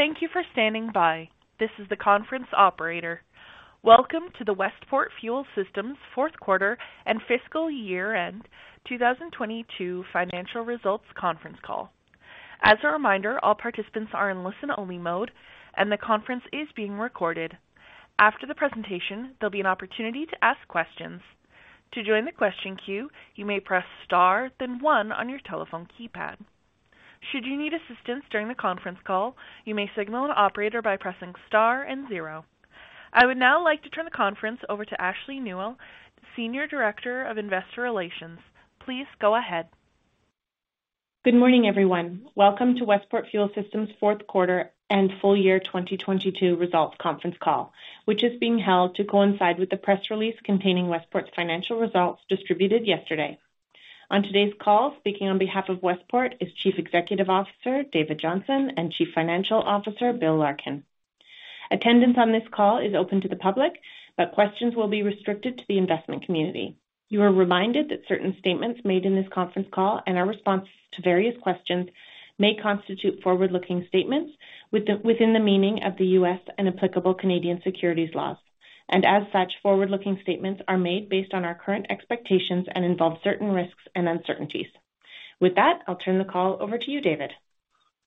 Thank you for standing by. This is the conference operator. Welcome to the Westport Fuel Systems fourth quarter and fiscal year end 2022 financial results conference call. As a reminder, all participants are in listen-only mode, and the conference is being recorded. After the presentation, there'll be an opportunity to ask questions. To join the question queue, you may press Star, then one on your telephone keypad. Should you need assistance during the conference call, you may signal an operator by pressing Star and zero. I would now like to turn the conference over to Ashley Nuell, Senior Director of Investor Relations. Please go ahead. Good morning, everyone. Welcome to Westport Fuel Systems fourth quarter and full year 2022 results conference call, which is being held to coincide with the press release containing Westport's financial results distributed yesterday. On today's call, speaking on behalf of Westport is Chief Executive Officer, David Johnson, and Chief Financial Officer, Bill Larkin. Attendance on this call is open to the public, but questions will be restricted to the investment community. You are reminded that certain statements made in this conference call and our response to various questions may constitute forward-looking statements within the meaning of the U.S. and applicable Canadian securities laws. And as such, forward-looking statements are made based on our current expectations and involve certain risks and uncertainties. With that, I'll turn the call over to you, David.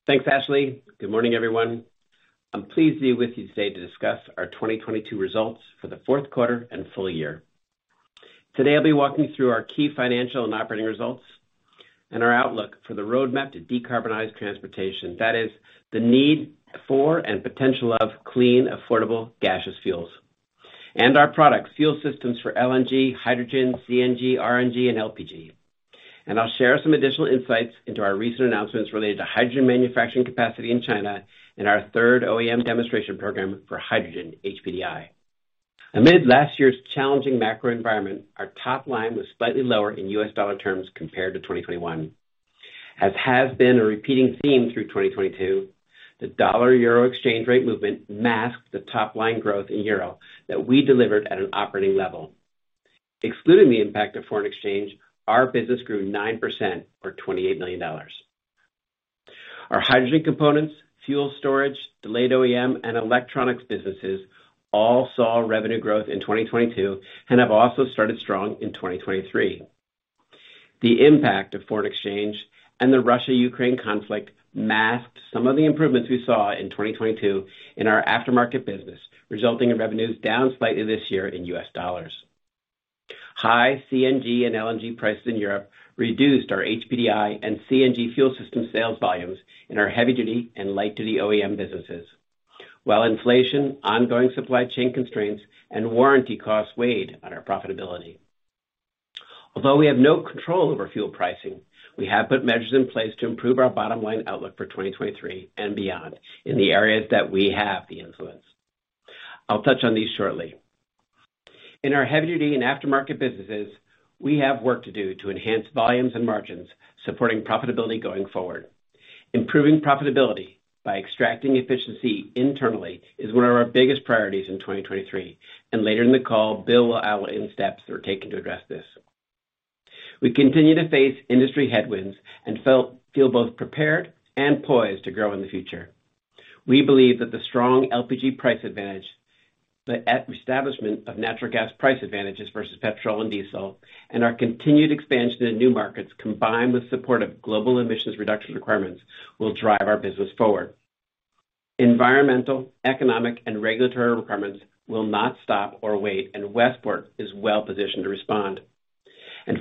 Thanks, Ashley. Good morning, everyone. I'm pleased to be with you today to discuss our 2022 results for the fourth quarter and full year. Today, I'll be walking through our key financial and operating results and our outlook for the roadmap to decarbonize transportation. That is the need for and potential of clean, affordable gaseous fuels. Our products, fuel systems for LNG, hydrogen, CNG, RNG, and LPG. I'll share some additional insights into our recent announcements related to hydrogen manufacturing capacity in China and our third OEM demonstration program for hydrogen HPDI. Amid last year's challenging macro environment, our top line was slightly lower in U.S. dollar terms compared to 2021. As has been a repeating theme through 2022, the dollar-euro exchange rate movement masked the top line growth in euro that we delivered at an operating level. Excluding the impact of foreign exchange, our business grew 9% or $28 million. Our hydrogen components, fuel storage, delayed OEM, and electronics businesses all saw revenue growth in 2022 and have also started strong in 2023. The impact of foreign exchange and the Russia-Ukraine conflict masked some of the improvements we saw in 2022 in our aftermarket business, resulting in revenues down slightly this year in US dollars. High CNG and LNG prices in Europe reduced our HPDI and CNG fuel system sales volumes in our heavy-duty and light-duty OEM businesses. Inflation, ongoing supply chain constraints, and warranty costs weighed on our profitability. We have no control over fuel pricing, we have put measures in place to improve our bottom-line outlook for 2023 and beyond in the areas that we have the influence. I'll touch on these shortly. In our heavy-duty and aftermarket businesses, we have work to do to enhance volumes and margins, supporting profitability going forward. Improving profitability by extracting efficiency internally is one of our biggest priorities in 2023. Later in the call, Bill will outline steps that are taken to address this. We continue to face industry headwinds and feel both prepared and poised to grow in the future. We believe that the strong LPG price advantage, the establishment of natural gas price advantages versus petrol and diesel, and our continued expansion into new markets, combined with support of global emissions reduction requirements, will drive our business forward. Environmental, economic, and regulatory requirements will not stop or wait, Westport is well-positioned to respond.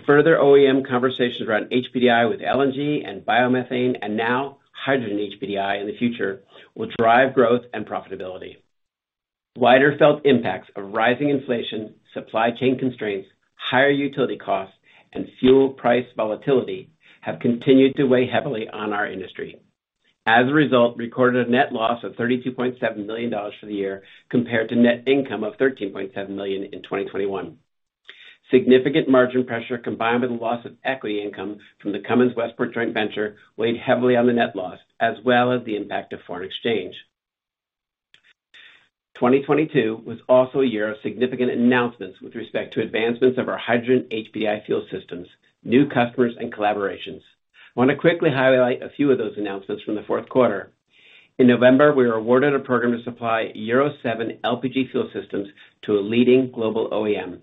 Further OEM conversations around HPDI with LNG and biomethane, and now hydrogen HPDI in the future will drive growth and profitability. Wider felt impacts of rising inflation, supply chain constraints, higher utility costs, and fuel price volatility have continued to weigh heavily on our industry. As a result, we recorded a net loss of $32.7 million for the year compared to net income of $13.7 million in 2021. Significant margin pressure combined with the loss of equity income from the Cummins Westport joint venture weighed heavily on the net loss, as well as the impact of foreign exchange. 2022 was also a year of significant announcements with respect to advancements of our hydrogen HPDI fuel systems, new customers, and collaborations. I want to quickly highlight a few of those announcements from the fourth quarter. In November, we were awarded a program to supply Euro 7 LPG fuel systems to a leading global OEM,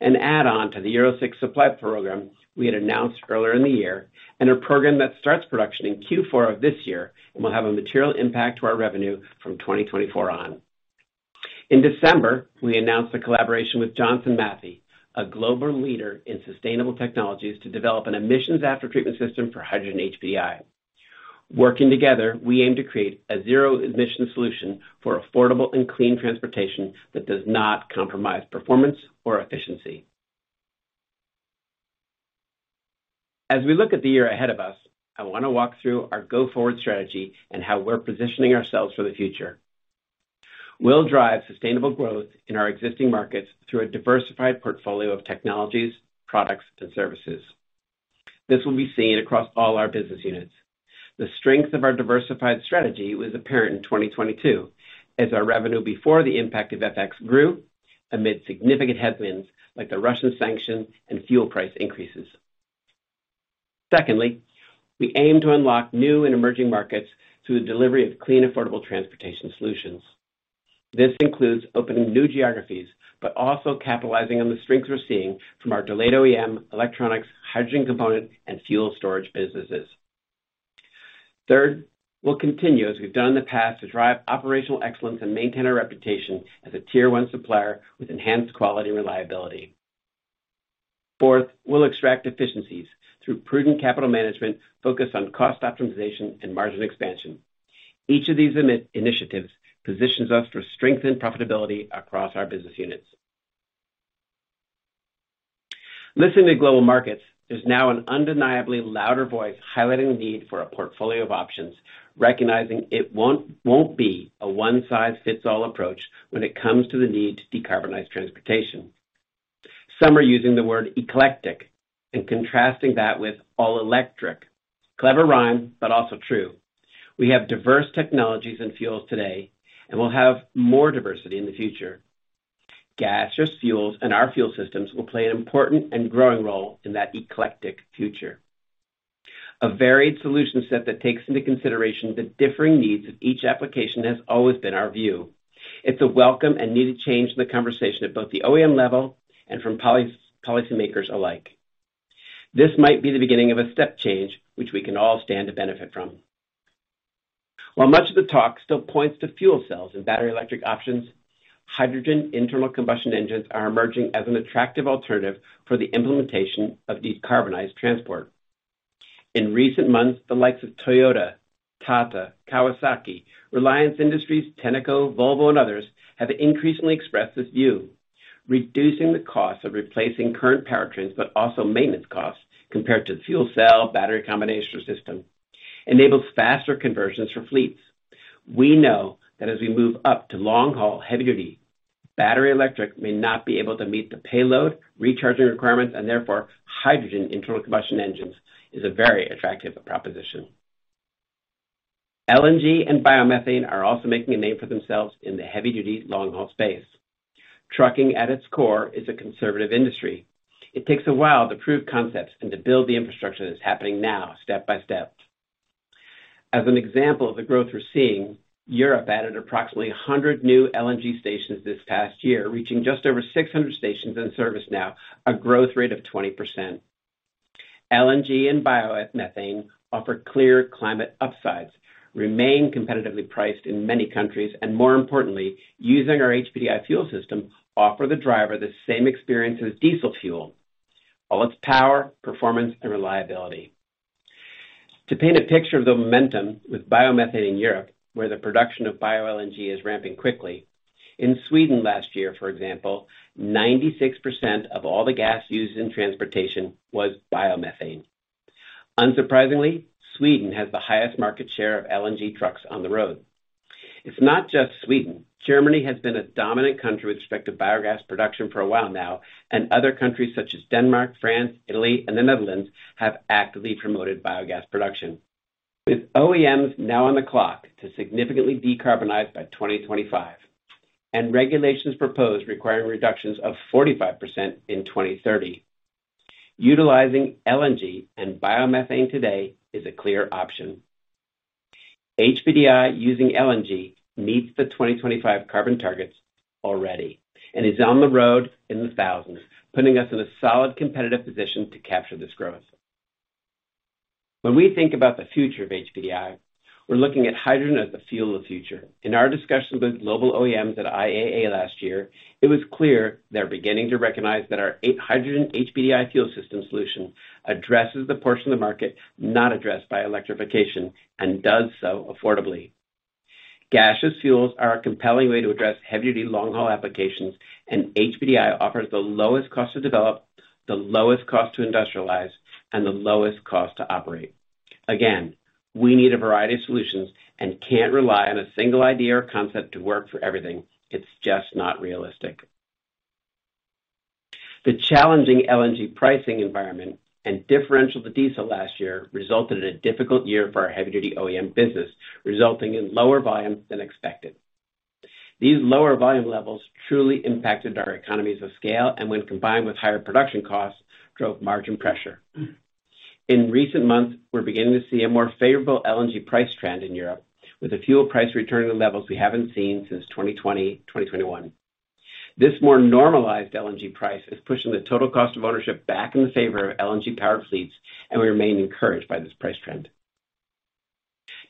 an add-on to the Euro 6 supply program we had announced earlier in the year, and a program that starts production in Q4 of this year and will have a material impact to our revenue from 2024 on. In December, we announced a collaboration with Johnson Matthey, a global leader in sustainable technologies, to develop an emissions aftertreatment system for hydrogen HPDI. Working together, we aim to create a zero-emission solution for affordable and clean transportation that does not compromise performance or efficiency. We look at the year ahead of us, I want to walk through our go-forward strategy and how we're positioning ourselves for the future. We'll drive sustainable growth in our existing markets through a diversified portfolio of technologies, products, and services. This will be seen across all our business units. The strength of our diversified strategy was apparent in 2022 as our revenue before the impact of F.X. grew amid significant headwinds like the Russian sanctions and fuel price increases. Secondly, we aim to unlock new and emerging markets through the delivery of clean, affordable transportation solutions. This includes opening new geographies, but also capitalizing on the strengths we're seeing from our delayed OEM, electronics, hydrogen component, and fuel storage businesses. Third, we'll continue, as we've done in the past, to drive operational excellence and maintain our reputation as a tier one supplier with enhanced quality and reliability. Fourth, we'll extract efficiencies through prudent capital management focused on cost optimization and margin expansion. Each of these initiatives positions us for strength and profitability across our business units. Listening to global markets, there's now an undeniably louder voice highlighting the need for a portfolio of options, recognizing it won't be a one size fits all approach when it comes to the need to decarbonize transportation. Some are using the word eclectic and contrasting that with all electric. Clever rhyme, but also true. We have diverse technologies and fuels today, and we'll have more diversity in the future. Gaseous fuels and our fuel systems will play an important and growing role in that eclectic future. A varied solution set that takes into consideration the differing needs of each application has always been our view. It's a welcome and needed change in the conversation at both the OEM level and from policymakers alike. This might be the beginning of a step change which we can all stand to benefit from. While much of the talk still points to fuel cells and battery electric options, hydrogen internal combustion engines are emerging as an attractive alternative for the implementation of decarbonized transport. In recent months, the likes of Toyota, Tata, Kawasaki, Reliance Industries, Tenneco, Volvo, and others have increasingly expressed this view, reducing the cost of replacing current powertrains, but also maintenance costs compared to the fuel cell battery combination system enables faster conversions for fleets. We know that as we move up to long haul heavy-duty, battery electric may not be able to meet the payload recharging requirements, and therefore, hydrogen internal combustion engines is a very attractive proposition. LNG and biomethane are also making a name for themselves in the heavy-duty long haul space. Trucking at its core is a conservative industry. It takes a while to prove concepts and to build the infrastructure that's happening now step by step. As an example of the growth we're seeing, Europe added approximately 100 new LNG stations this past year, reaching just over 600 stations in service now, a growth rate of 20%. LNG and bioethane offer clear climate upsides, remain competitively priced in many countries, and more importantly, using our HPDI fuel system offer the driver the same experience as diesel fuel, all its power, performance and reliability. To paint a picture of the momentum with biomethane in Europe, where the production of bioLNG is ramping quickly. In Sweden last year, for example, 96% of all the gas used in transportation was biomethane. Unsurprisingly, Sweden has the highest market share of LNG trucks on the road. It's not just Sweden. Germany has been a dominant country with respect to biogas production for a while now, and other countries such as Denmark, France, Italy and the Netherlands have actively promoted biogas production. With OEMs now on the clock to significantly decarbonize by 2025 and regulations proposed requiring reductions of 45% in 2030, utilizing LNG and biomethane today is a clear option. HPDI using LNG meets the 2025 carbon targets already and is on the road in the thousands, putting us in a solid competitive position to capture this growth. When we think about the future of HPDI, we're looking at hydrogen as the fuel of the future. In our discussions with global OEMs at IAA last year, it was clear they're beginning to recognize that our hydrogen HPDI fuel system solution addresses the portion of the market not addressed by electrification and does so affordably. Gaseous fuels are a compelling way to address heavy-duty, long-haul applications, and HPDI offers the lowest cost to develop, the lowest cost to industrialize, and the lowest cost to operate. Again, we need a variety of solutions and can't rely on a single idea or concept to work for everything. It's just not realistic. The challenging LNG pricing environment and differential to diesel last year resulted in a difficult year for our heavy-duty OEM business, resulting in lower volumes than expected. These lower volume levels truly impacted our economies of scale, and when combined with higher production costs, drove margin pressure. In recent months, we're beginning to see a more favorable LNG price trend in Europe with the fuel price returning to levels we haven't seen since 2020, 2021. This more normalized LNG price is pushing the total cost of ownership back in the favor of LNG powered fleets. We remain encouraged by this price trend.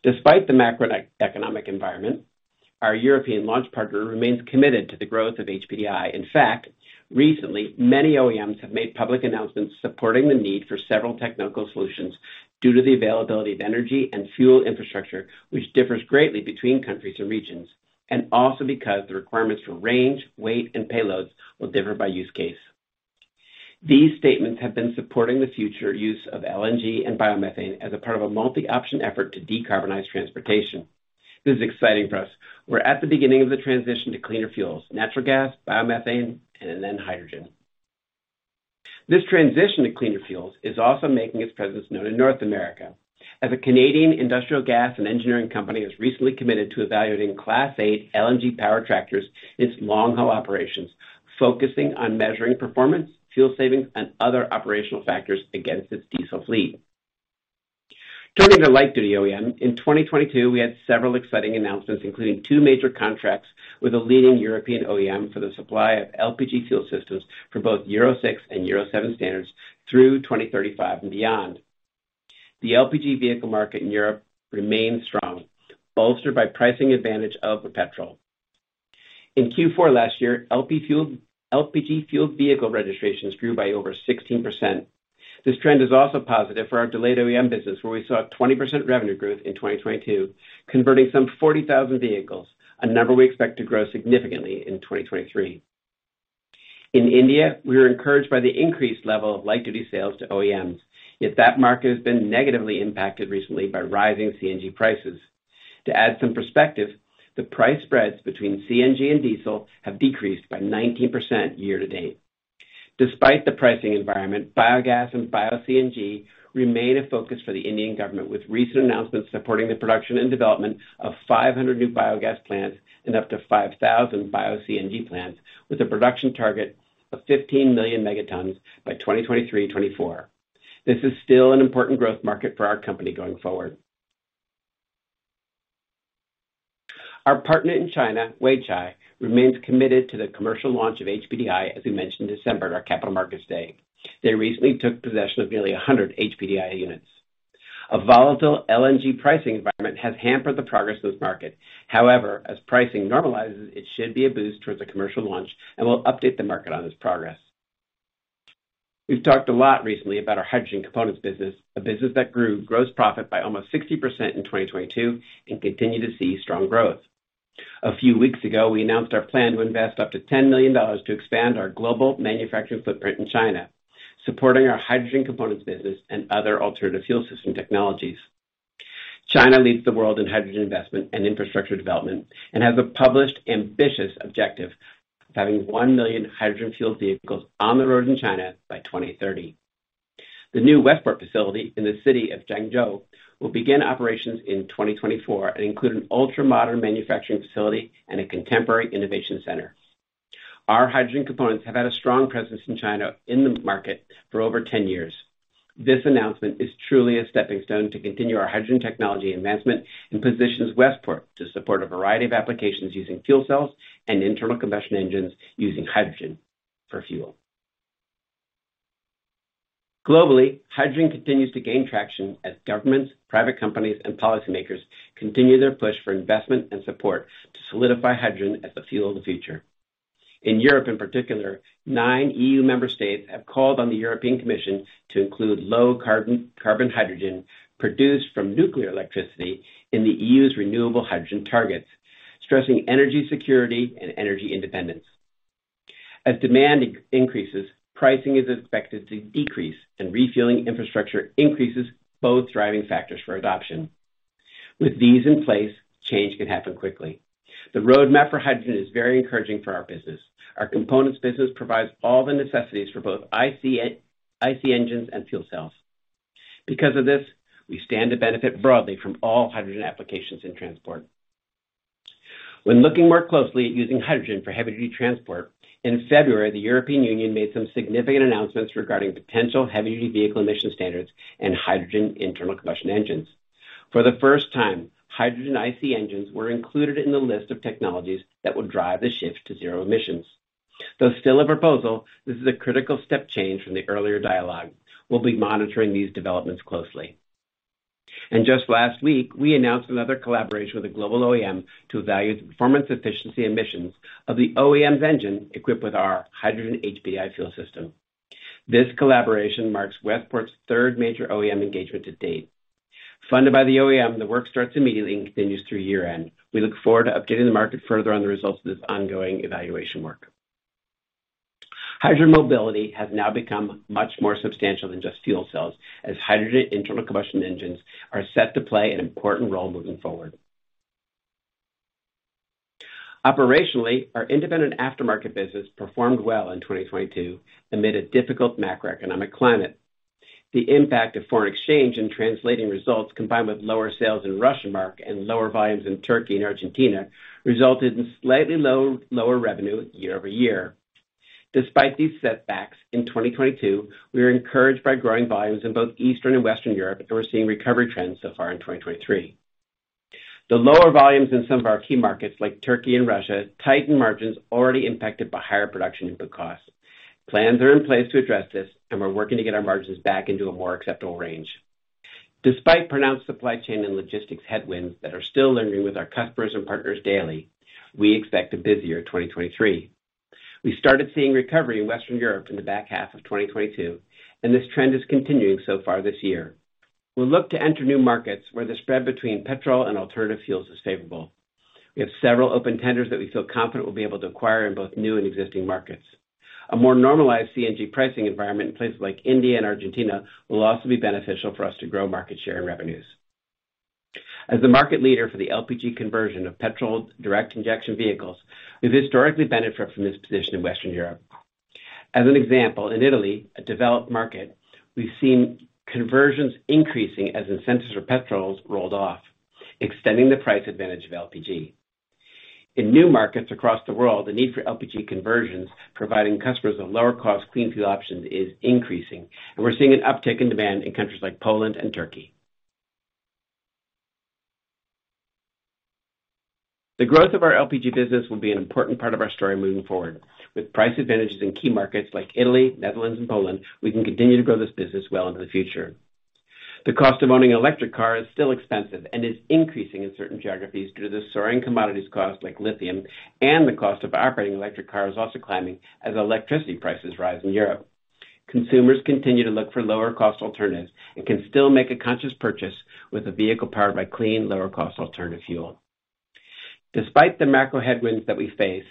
Despite the macroeconomic environment, our European launch partner remains committed to the growth of HPDI. In fact, recently, many OEMs have made public announcements supporting the need for several technical solutions due to the availability of energy and fuel infrastructure, which differs greatly between countries and regions, and also because the requirements for range, weight, and payloads will differ by use case. These statements have been supporting the future use of LNG and biomethane as a part of a multi-option effort to decarbonize transportation. This is exciting for us. We're at the beginning of the transition to cleaner fuels, natural gas, biomethane, and then hydrogen. This transition to cleaner fuels is also making its presence known in North America. As a Canadian industrial gas and engineering company has recently committed to evaluating Class 8 LNG power tractors in its long haul operations, focusing on measuring performance, fuel savings, and other operational factors against its diesel fleet. Turning to light duty OEM. In 2022, we had several exciting announcements, including two major contracts with a leading European OEM for the supply of LPG fuel systems for both Euro 6 and Euro 7 standards through 2035 and beyond. The LPG vehicle market in Europe remains strong, bolstered by pricing advantage over petrol. In Q4 last year, LPG fueled vehicle registrations grew by over 16%. This trend is also positive for our delayed OEM business, where we saw a 20% revenue growth in 2022, converting some 40,000 vehicles, a number we expect to grow significantly in 2023. In India, we are encouraged by the increased level of light-duty sales to OEMs, yet that market has been negatively impacted recently by rising CNG prices. To add some perspective, the price spreads between CNG and diesel have decreased by 19% year-to-date. Despite the pricing environment, biogas and bio-CNG remain a focus for the Indian Government, with recent announcements supporting the production and development of 500 new biogas plants and up to 5,000 bio-CNG plants with a production target of 15 million megatons by 2023-2024. This is still an important growth market for our company going forward. Our partner in China, Weichai, remains committed to the commercial launch of HPDI, as we mentioned in December at our Capital Markets Day. They recently took possession of nearly 100 HPDI units. A volatile LNG pricing environment has hampered the progress of this market. As pricing normalizes, it should be a boost towards a commercial launch and we'll update the market on this progress. We've talked a lot recently about our hydrogen components business, a business that grew gross profit by almost 60% in 2022 and continue to see strong growth. A few weeks ago, we announced our plan to invest up to $10 million to expand our global manufacturing footprint in China, supporting our hydrogen components business and other alternative fuel system technologies. China leads the world in hydrogen investment and infrastructure development, and has a published ambitious objective of having 1 million hydrogen fuel vehicles on the road in China by 2030. The new Westport facility in the city of Changzhou will begin operations in 2024 and include an ultra-modern manufacturing facility and a contemporary innovation center. Our hydrogen components have had a strong presence in China in the market for over 10 years. This announcement is truly a stepping stone to continue our hydrogen technology advancement and positions Westport to support a variety of applications using fuel cells and internal combustion engines using hydrogen for fuel. Globally, hydrogen continues to gain traction as governments, private companies, and policymakers continue their push for investment and support to solidify hydrogen as the fuel of the future. In Europe in particular, 9 EU member states have called on the European Commission to include low carbon hydrogen produced from nuclear electricity in the EU's renewable hydrogen targets, stressing energy security and energy independence. As demand increases, pricing is expected to decrease, and refueling infrastructure increases, both driving factors for adoption. With these in place, change can happen quickly. The roadmap for hydrogen is very encouraging for our business. Our components business provides all the necessities for both IC engines and fuel cells. Because of this, we stand to benefit broadly from all hydrogen applications in transport. When looking more closely at using hydrogen for heavy-duty transport, in February, the European Union made some significant announcements regarding potential heavy-duty vehicle emission standards and hydrogen internal combustion engines. For the first time, hydrogen IC engines were included in the list of technologies that will drive the shift to zero emissions. Though still a proposal, this is a critical step change from the earlier dialogue. We'll be monitoring these developments closely. Just last week, we announced another collaboration with a global OEM to evaluate the performance efficiency emissions of the OEM's engine equipped with our hydrogen HPDI fuel system. This collaboration marks Westport's third major OEM engagement to date. Funded by the OEM, the work starts immediately and continues through year-end. We look forward to updating the market further on the results of this ongoing evaluation work. Hydrogen mobility has now become much more substantial than just fuel cells, as hydrogen internal combustion engines are set to play an important role moving forward. Operationally, our independent aftermarket business performed well in 2022 amid a difficult macroeconomic climate. The impact of foreign exchange in translating results, combined with lower sales in Russian market and lower volumes in Turkey and Argentina, resulted in slightly lower revenue year-over-year. Despite these setbacks, in 2022, we are encouraged by growing volumes in both Eastern and Western Europe, and we're seeing recovery trends so far in 2023. The lower volumes in some of our key markets, like Turkey and Russia, tightened margins already impacted by higher production input costs. Plans are in place to address this, and we're working to get our margins back into a more acceptable range. Despite pronounced supply chain and logistics headwinds that are still lingering with our customers and partners daily, we expect a busier 2023. We started seeing recovery in Western Europe in the back half of 2022, and this trend is continuing so far this year. We'll look to enter new markets where the spread between petrol and alternative fuels is favorable. We have several open tenders that we feel confident we'll be able to acquire in both new and existing markets. A more normalized CNG pricing environment in places like India and Argentina will also be beneficial for us to grow market share and revenues. The market leader for the LPG conversion of petrol direct injection vehicles, we've historically benefited from this position in Western Europe. An example, in Italy, a developed market, we've seen conversions increasing as incentives for petrols rolled off, extending the price advantage of LPG. In new markets across the world, the need for LPG conversions providing customers a lower cost clean fuel option is increasing, and we're seeing an uptick in demand in countries like Poland and Turkey. The growth of our LPG business will be an important part of our story moving forward. With price advantages in key markets like Italy, Netherlands and Poland, we can continue to grow this business well into the future. The cost of owning an electric car is still expensive and is increasing in certain geographies due to the soaring commodities costs like lithium and the cost of operating electric cars also climbing as electricity prices rise in Europe. Consumers continue to look for lower cost alternatives and can still make a conscious purchase with a vehicle powered by clean, lower cost alternative fuel. Despite the macro headwinds that we face,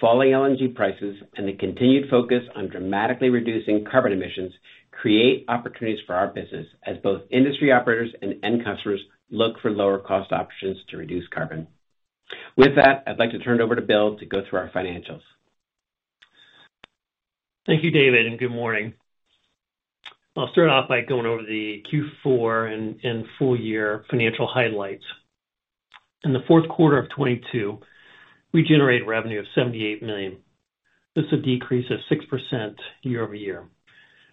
falling LNG prices and the continued focus on dramatically reducing carbon emissions create opportunities for our business as both industry operators and end customers look for lower cost options to reduce carbon. With that, I'd like to turn it over to Bill to go through our financials. Thank you, David. Good morning. I'll start off by going over the Q4 and full year financial highlights. In the fourth quarter of 2022, we generated revenue of $78 million. This is a decrease of 6% year-over-year.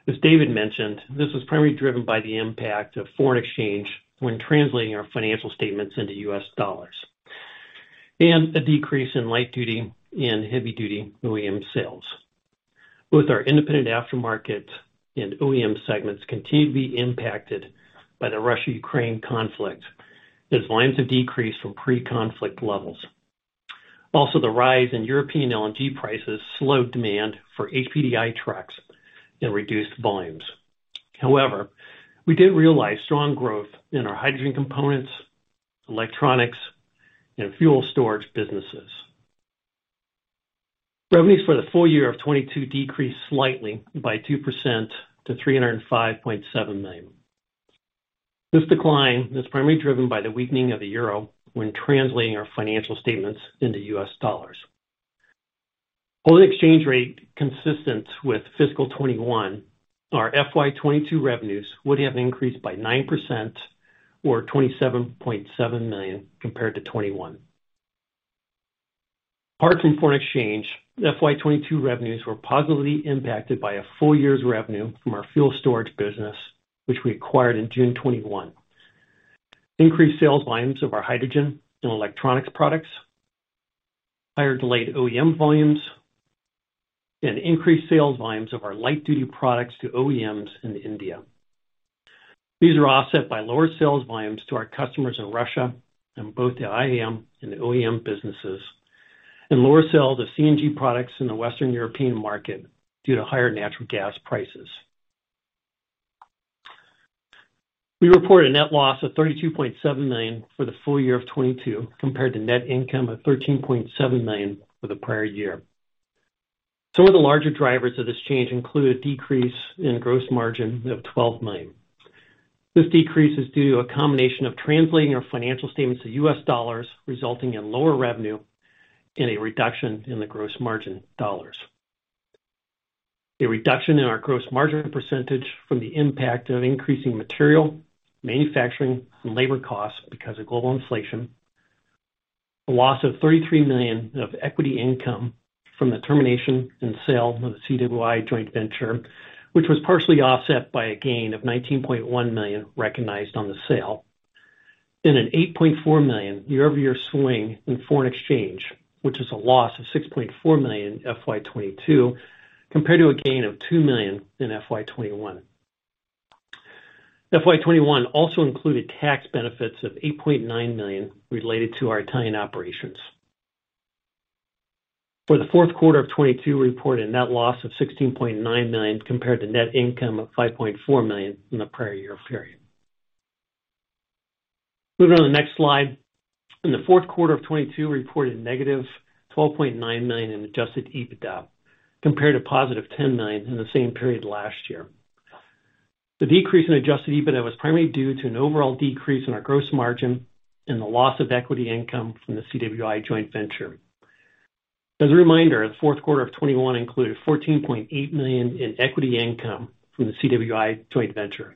As David mentioned, this was primarily driven by the impact of foreign exchange when translating our financial statements into U.S. dollars, and a decrease in light-duty and heavy-duty OEM sales. Both our independent aftermarket and OEM segments continue to be impacted by the Russia-Ukraine conflict as volumes have decreased from pre-conflict levels. The rise in European LNG prices slowed demand for HPDI trucks and reduced volumes. However, we did realize strong growth in our hydrogen components, electronics and fuel storage businesses. Revenues for the full year of 2022 decreased slightly by 2% to $305.7 million. This decline is primarily driven by the weakening of the euro when translating our financial statements into U.S. dollars. Hold exchange rate consistent with fiscal 2021, our FY 2022 revenues would have increased by 9% or $27.7 million compared to 2021. Apart from foreign exchange, FY 2022 revenues were positively impacted by a full year's revenue from our fuel storage business, which we acquired in June 2021. Increased sales volumes of our hydrogen and electronics products, higher delayed OEM volumes and increased sales volumes of our light-duty products to OEMs in India. These are offset by lower sales volumes to our customers in Russia on both the IAM and the OEM businesses, and lower sales of CNG products in the Western European market due to higher natural gas prices. We report a net loss of $32.7 million for the full year of 2022 compared to net income of $13.7 million for the prior year. Some of the larger drivers of this change include a decrease in gross margin of $12 million. This decrease is due to a combination of translating our financial statements to US dollars, resulting in lower revenue and a reduction in the gross margin dollars. A reduction in our gross margin percentage from the impact of increasing material, manufacturing and labor costs because of global inflation. A loss of $33 million of equity income from the termination and sale of the CWI joint venture, which was partially offset by a gain of $19.1 million recognized on the sale. In an $8.4 million year-over-year swing in foreign exchange, which is a loss of $6.4 million FY 2022 compared to a gain of $2 million in FY 2021. FY 2021 also included tax benefits of $8.9 million related to our Italian operations. For the fourth quarter of 2022, we reported a net loss of $16.9 million compared to net income of $5.4 million in the prior year period. Moving on to the next slide. In the fourth quarter of 2022, we reported negative $12.9 million in adjusted EBITDA compared to positive $10 million in the same period last year. The decrease in adjusted EBITDA was primarily due to an overall decrease in our gross margin and the loss of equity income from the CWI joint venture. As a reminder, the fourth quarter of 2021 included $14.8 million in equity income from the CWI joint venture.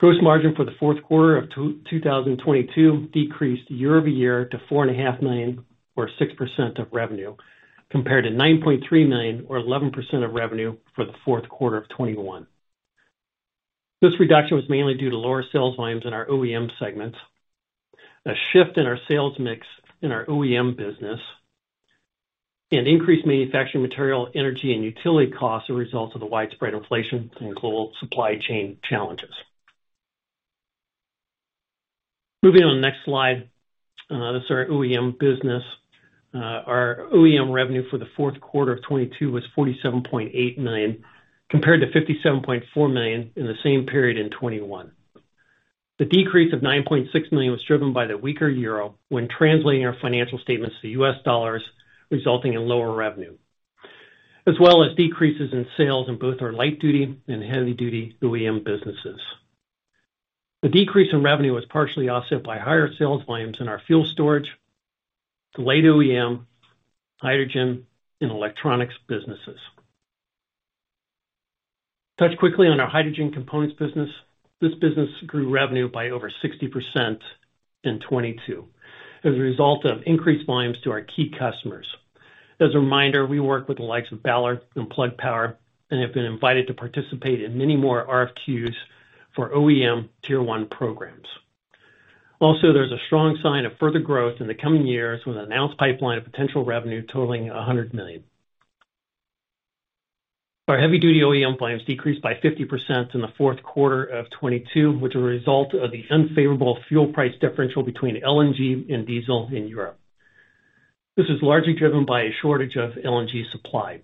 Gross margin for the fourth quarter of 2022 decreased year-over-year to four and a half million dollars or 6% of revenue, compared to $9.3 million or 11% of revenue for the fourth quarter of 2021. This reduction was mainly due to lower sales volumes in our OEM segments, a shift in our sales mix in our OEM business, and increased manufacturing material, energy and utility costs as a result of the widespread inflation and global supply chain challenges. Moving on to the next slide. That's our OEM business. Our OEM revenue for the fourth quarter of 2022 was $47.8 million, compared to $57.4 million in the same period in 2021. The decrease of $9.6 million was driven by the weaker euro when translating our financial statements to U.S. dollars, resulting in lower revenue. As well as decreases in sales in both our Light-Duty and heavy-duty OEM businesses. The decrease in revenue was partially offset by higher sales volumes in our fuel storage, delayed OEM, hydrogen and electronics businesses. Touch quickly on our hydrogen components business. This business grew revenue by over 60% in 2022 as a result of increased volumes to our key customers. As a reminder, we work with the likes of Ballard and Plug Power and have been invited to participate in many more RFQs for OEM Tier 1 programs. Also, there's a strong sign of further growth in the coming years with announced pipeline of potential revenue totaling $100 million. Our heavy-duty OEM volumes decreased by 50% in the fourth quarter of 2022, which a result of the unfavorable fuel price differential between LNG and diesel in Europe. This is largely driven by a shortage of LNG supply.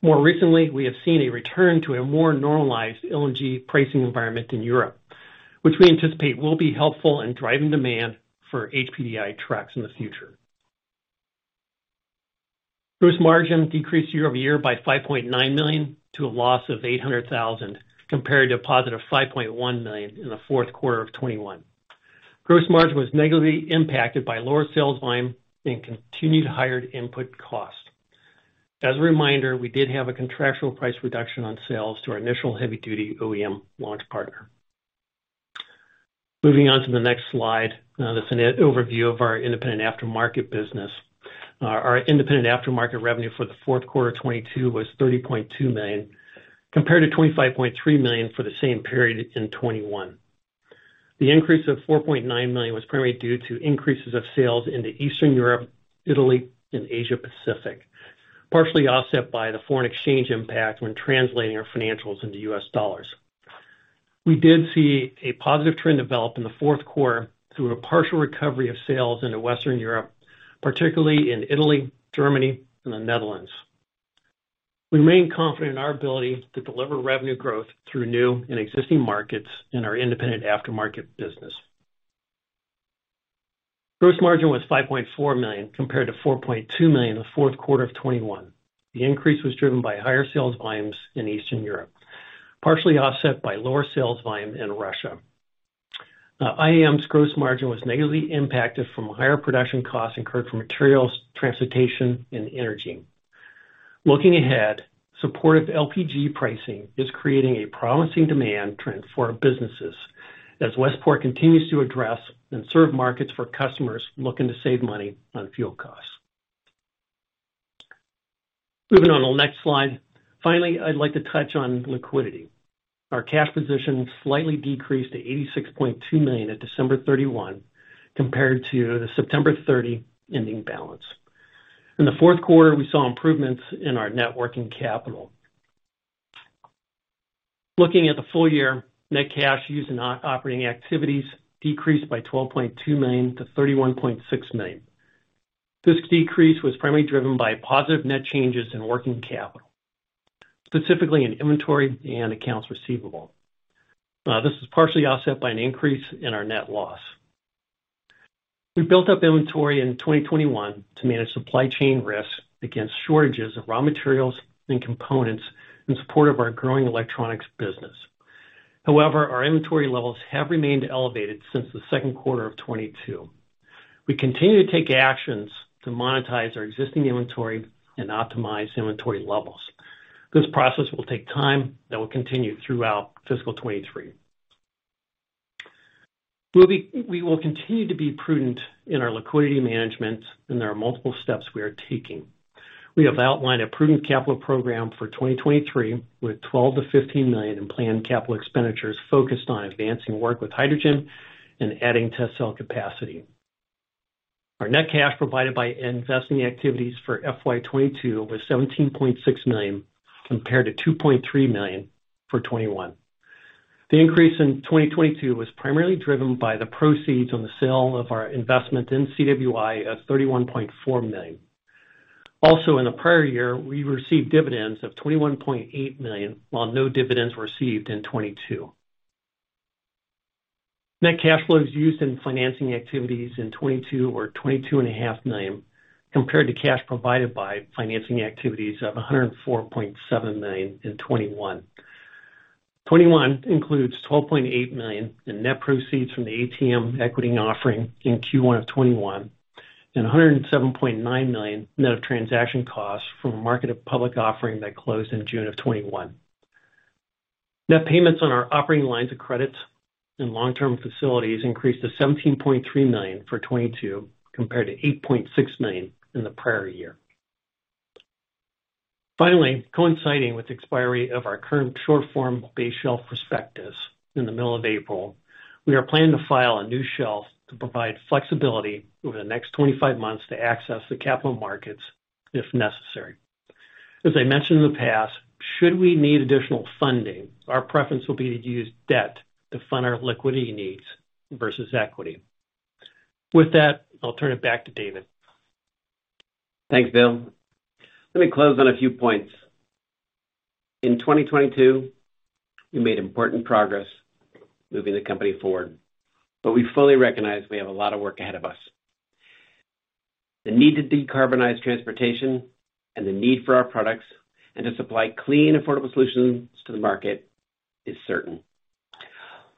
More recently, we have seen a return to a more normalized LNG pricing environment in Europe, which we anticipate will be helpful in driving demand for HPDI trucks in the future. Gross margin decreased year-over-year by $5.9 million to a loss of $800,000, compared to a positive $5.1 million in the fourth quarter of 2021. Gross margin was negatively impacted by lower sales volume and continued higher input costs. As a reminder, we did have a contractual price reduction on sales to our initial heavy-duty OEM launch partner. Moving on to the next slide. That's an overview of our independent aftermarket business. Our independent aftermarket revenue for the fourth quarter 2022 was $30.2 million, compared to $25.3 million for the same period in 2021. The increase of $4.9 million was primarily due to increases of sales into Eastern Europe, Italy, and Asia-Pacific, partially offset by the foreign exchange impact when translating our financials into U.S. dollars. We did see a positive trend develop in the fourth quarter through a partial recovery of sales into Western Europe, particularly in Italy, Germany, and the Netherlands. We remain confident in our ability to deliver revenue growth through new and existing markets in our independent aftermarket business. Gross margin was $5.4 million, compared to $4.2 million in the fourth quarter of 2021. The increase was driven by higher sales volumes in Eastern Europe, partially offset by lower sales volume in Russia. IAM's gross margin was negatively impacted from higher production costs incurred from materials, transportation, and energy. Looking ahead, supportive LPG pricing is creating a promising demand trend for our businesses as Westport continues to address and serve markets for customers looking to save money on fuel costs. Moving on to the next slide. I'd like to touch on liquidity. Our cash position slightly decreased to $86.2 million at December 31, compared to the September 30 ending balance. In the fourth quarter, we saw improvements in our net working capital. Looking at the full year, net cash used in operating activities decreased by $12.2 million to $31.6 million. This decrease was primarily driven by positive net changes in working capital, specifically in inventory and accounts receivable. This is partially offset by an increase in our net loss. We built up inventory in 2021 to manage supply chain risks against shortages of raw materials and components in support of our growing electronics business. However, our inventory levels have remained elevated since the second quarter of 2022. We will continue to be prudent in our liquidity management, and there are multiple steps we are taking. We have outlined a prudent capital program for 2023, with $12 million-$15 million in planned capital expenditures focused on advancing work with hydrogen and adding to cell capacity. Our net cash provided by investing activities for FY 2022 was $17.6 million, compared to $2.3 million for 2021. The increase in 2022 was primarily driven by the proceeds on the sale of our investment in CWI of $31.4 million. In the prior year, we received dividends of $21.8 million, while no dividends were received in 2022. Net cash flows used in financing activities in 2022 were $22.5 million, compared to cash provided by financing activities of $104.7 million in 2021. 2021 includes $12.8 million in net proceeds from the ATM equity offering in Q1 of 2021 and $107.9 million net of transaction costs from a market of public offering that closed in June of 2021. Net payments on our operating lines of credits and long-term facilities increased to $17.3 million for 2022, compared to $8.6 million in the prior year. Finally, coinciding with the expiry of our current short form base shelf prospectus in the middle of April, we are planning to file a new shelf to provide flexibility over the next 25 months to access the capital markets if necessary. As I mentioned in the past, should we need additional funding, our preference will be to use debt to fund our liquidity needs versus equity. With that, I'll turn it back to David. Thanks, Bill. Let me close on a few points. In 2022, we made important progress moving the company forward, we fully recognize we have a lot of work ahead of us. The need to decarbonize transportation and the need for our products and to supply clean, affordable solutions to the market is certain.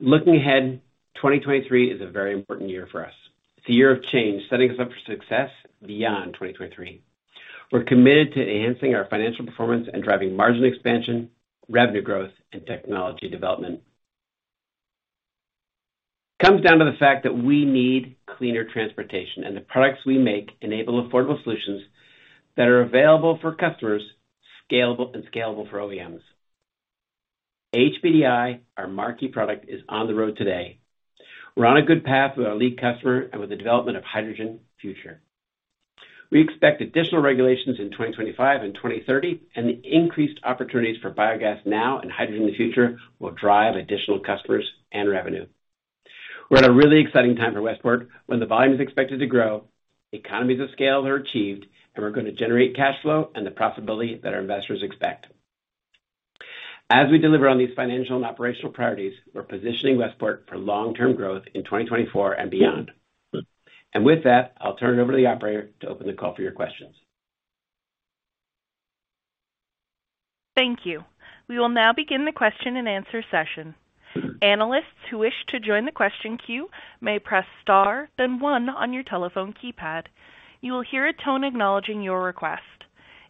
Looking ahead, 2023 is a very important year for us. It's a year of change, setting us up for success beyond 2023. We're committed to enhancing our financial performance and driving margin expansion, revenue growth, and technology development. Comes down to the fact that we need cleaner transportation, the products we make enable affordable solutions that are available for customers, scalable for OEMs. HPDI, our marquee product, is on the road today. We're on a good path with our lead customer and with the development of hydrogen future. We expect additional regulations in 2025 and 2030, the increased opportunities for biogas now and hydrogen in the future will drive additional customers and revenue. We're at a really exciting time for Westport, when the volume is expected to grow, economies of scale are achieved, and we're gonna generate cash flow and the profitability that our investors expect. As we deliver on these financial and operational priorities, we're positioning Westport for long-term growth in 2024 and beyond. With that, I'll turn it over to the operator to open the call for your questions. Thank you. We will now begin the question-and-answer session. Analysts who wish to join the question queue may press star then one on your telephone keypad. You will hear a tone acknowledging your request.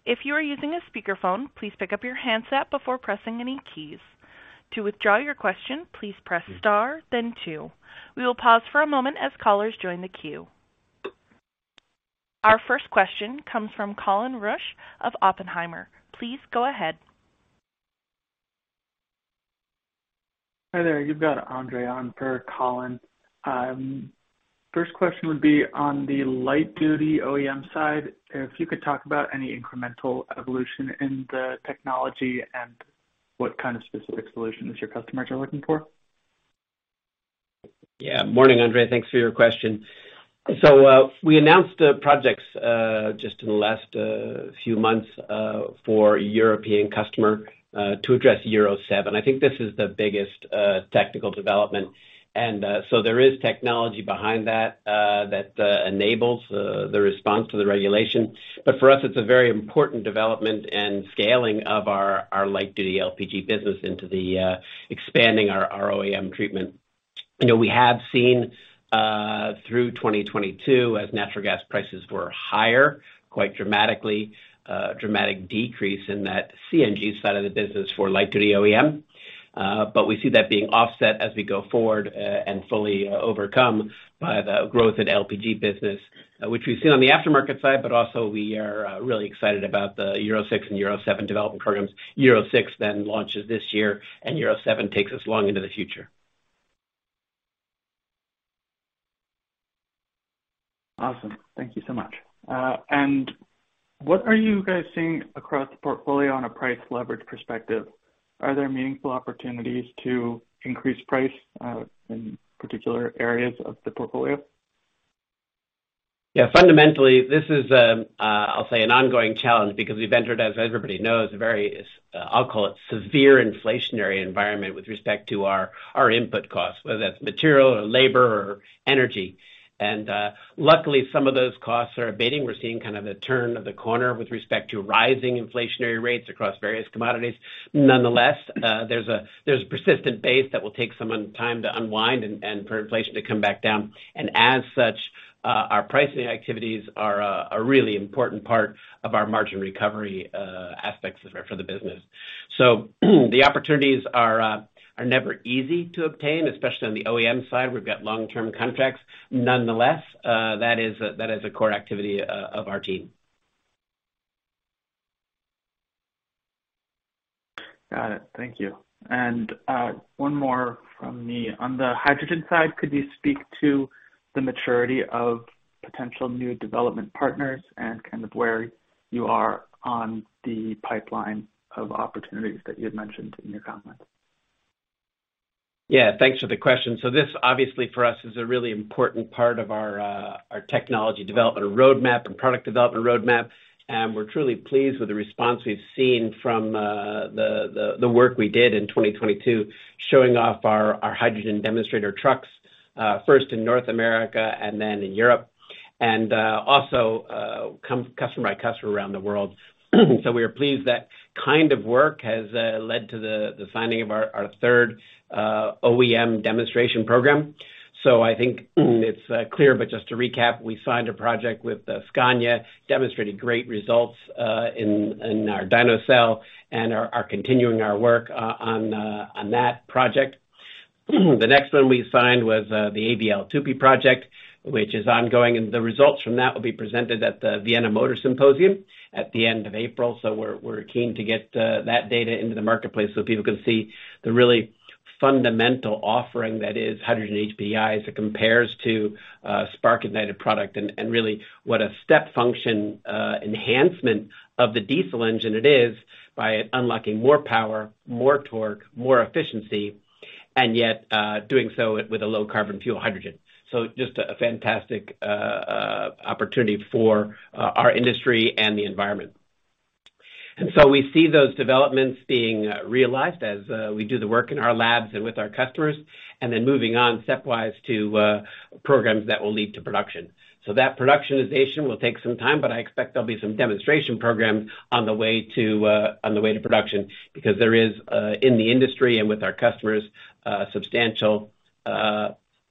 If you are using a speakerphone, please pick up your handset before pressing any keys. To withdraw your question, please press star then two. We will pause for a moment as callers join the queue. Our first question comes from Colin Rusch of Oppenheimer. Please go ahead. Hi there. You've got Andre on for Colin. First question would be on the light-duty OEM side, if you could talk about any incremental evolution in the technology and what kind of specific solutions your customers are looking for. Yeah. Morning, Andre. Thanks for your question. We announced the projects just in the last few months for a European customer to address Euro 7. I think this is the biggest tactical development. There is technology behind that that enables the response to the regulation. For us, it's a very important development and scaling of our light-duty LPG business into the expanding our OEM treatment. You know, we have seen through 2022, as natural gas prices were higher, quite dramatically, a dramatic decrease in that CNG side of the business for light-duty OEM. We see that being offset as we go forward, and fully overcome by the growth in LPG business, which we've seen on the aftermarket side, but also we are really excited about the Euro 6 and Euro 7 development programs. Euro 6 launches this year, and Euro 7 takes us long into the future. Awesome. Thank you so much. What are you guys seeing across the portfolio on a price leverage perspective? Are there meaningful opportunities to increase price in particular areas of the portfolio? Fundamentally, this is, I'll say an ongoing challenge because we've entered, as everybody knows, a very, I'll call it severe inflationary environment with respect to our input costs, whether that's material or labor or energy. Luckily, some of those costs are abating. We're seeing kind of a turn of the corner with respect to rising inflationary rates across various commodities. Nonetheless, there's a persistent base that will take some time to unwind and for inflation to come back down. As such, our pricing activities are a really important part of our margin recovery aspects for the business. The opportunities are never easy to obtain, especially on the OEM side. We've got long-term contracts. Nonetheless, that is a core activity of our team. Got it. Thank you. One more from me. On the hydrogen side, could you speak to the maturity of potential new development partners and kind of where you are on the pipeline of opportunities that you had mentioned in your comments? Thanks for the question. This obviously for us is a really important part of our technology development roadmap and product development roadmap. We're truly pleased with the response we've seen from the work we did in 2022, showing off our hydrogen demonstrator trucks, first in North America and then in Europe, and also customer by customer around the world. We are pleased that kind of work has led to the signing of our third OEM demonstration program. I think it's clear, but just to recap, we signed a project with Scania, demonstrated great results in our dyno cell and are continuing our work on that project. The next one we signed was the AVL TUPY project, which is ongoing. The results from that will be presented at the Vienna Motor Symposium at the end of April. We're keen to get that data into the marketplace so people can see the really fundamental offering that is hydrogen HPDI as it compares to spark ignited product and really what a step function enhancement of the diesel engine it is by unlocking more power, more torque, more efficiency. Doing so with a low carbon fuel hydrogen. Just a fantastic opportunity for our industry and the environment. We see those developments being realized as we do the work in our labs and with our customers, then moving on step-wise to programs that will lead to production. That productionization will take some time, but I expect there'll be some demonstration programs on the way to, on the way to production because there is, in the industry and with our customers, substantial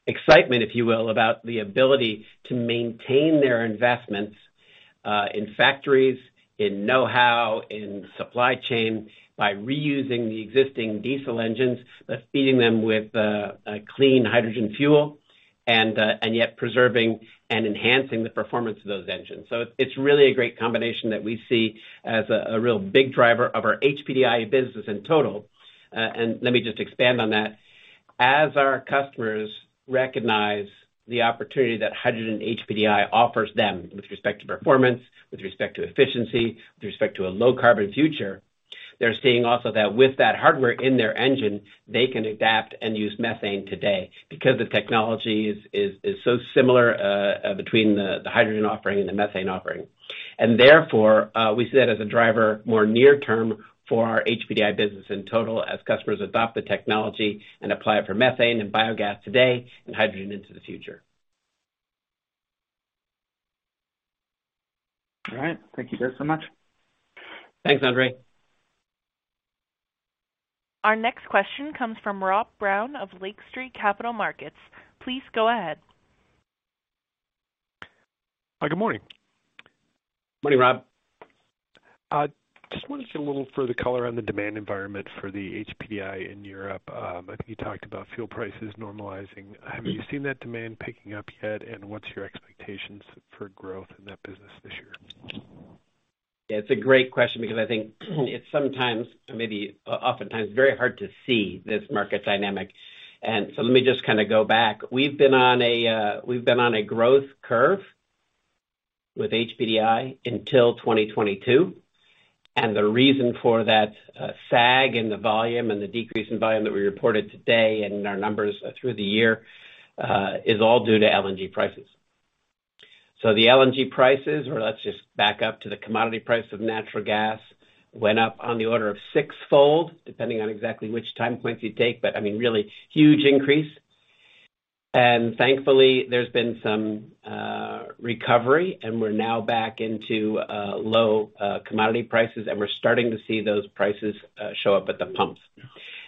excitement, if you will, about the ability to maintain their investments, in factories, in know-how, in supply chain by reusing the existing diesel engines, but feeding them with a clean hydrogen fuel and yet preserving and enhancing the performance of those engines. It's really a great combination that we see as a real big driver of our HPDI business in total. Let me just expand on that. As our customers recognize the opportunity that hydrogen HPDI offers them with respect to performance, with respect to efficiency, with respect to a low carbon future, they're seeing also that with that hardware in their engine, they can adapt and use methane today because the technology is so similar between the hydrogen offering and the methane offering. Therefore, we see that as a driver more near term for our HPDI business in total as customers adopt the technology and apply it for methane and biogas today and hydrogen into the future. All right. Thank you both so much. Thanks, Andre. Our next question comes from Rob Brown of Lake Street Capital Markets. Please go ahead. Hi, good morning. Morning, Rob. Just wanted to get a little further color on the demand environment for the HPDI in Europe. I think you talked about fuel prices normalizing. Have you seen that demand picking up yet? What's your expectations for growth in that business this year? Yeah, it's a great question because I think it's sometimes, maybe oftentimes, very hard to see this market dynamic. Let me just kind of go back. We've been on a growth curve with HPDI until 2022, the reason for that sag in the volume and the decrease in volume that we reported today and our numbers through the year is all due to LNG prices. The LNG prices, or let's just back up to the commodity price of natural gas, went up on the order of six-fold, depending on exactly which time points you take. I mean, really huge increase. Thankfully, there's been some recovery, we're now back into low commodity prices, and we're starting to see those prices show up at the pumps.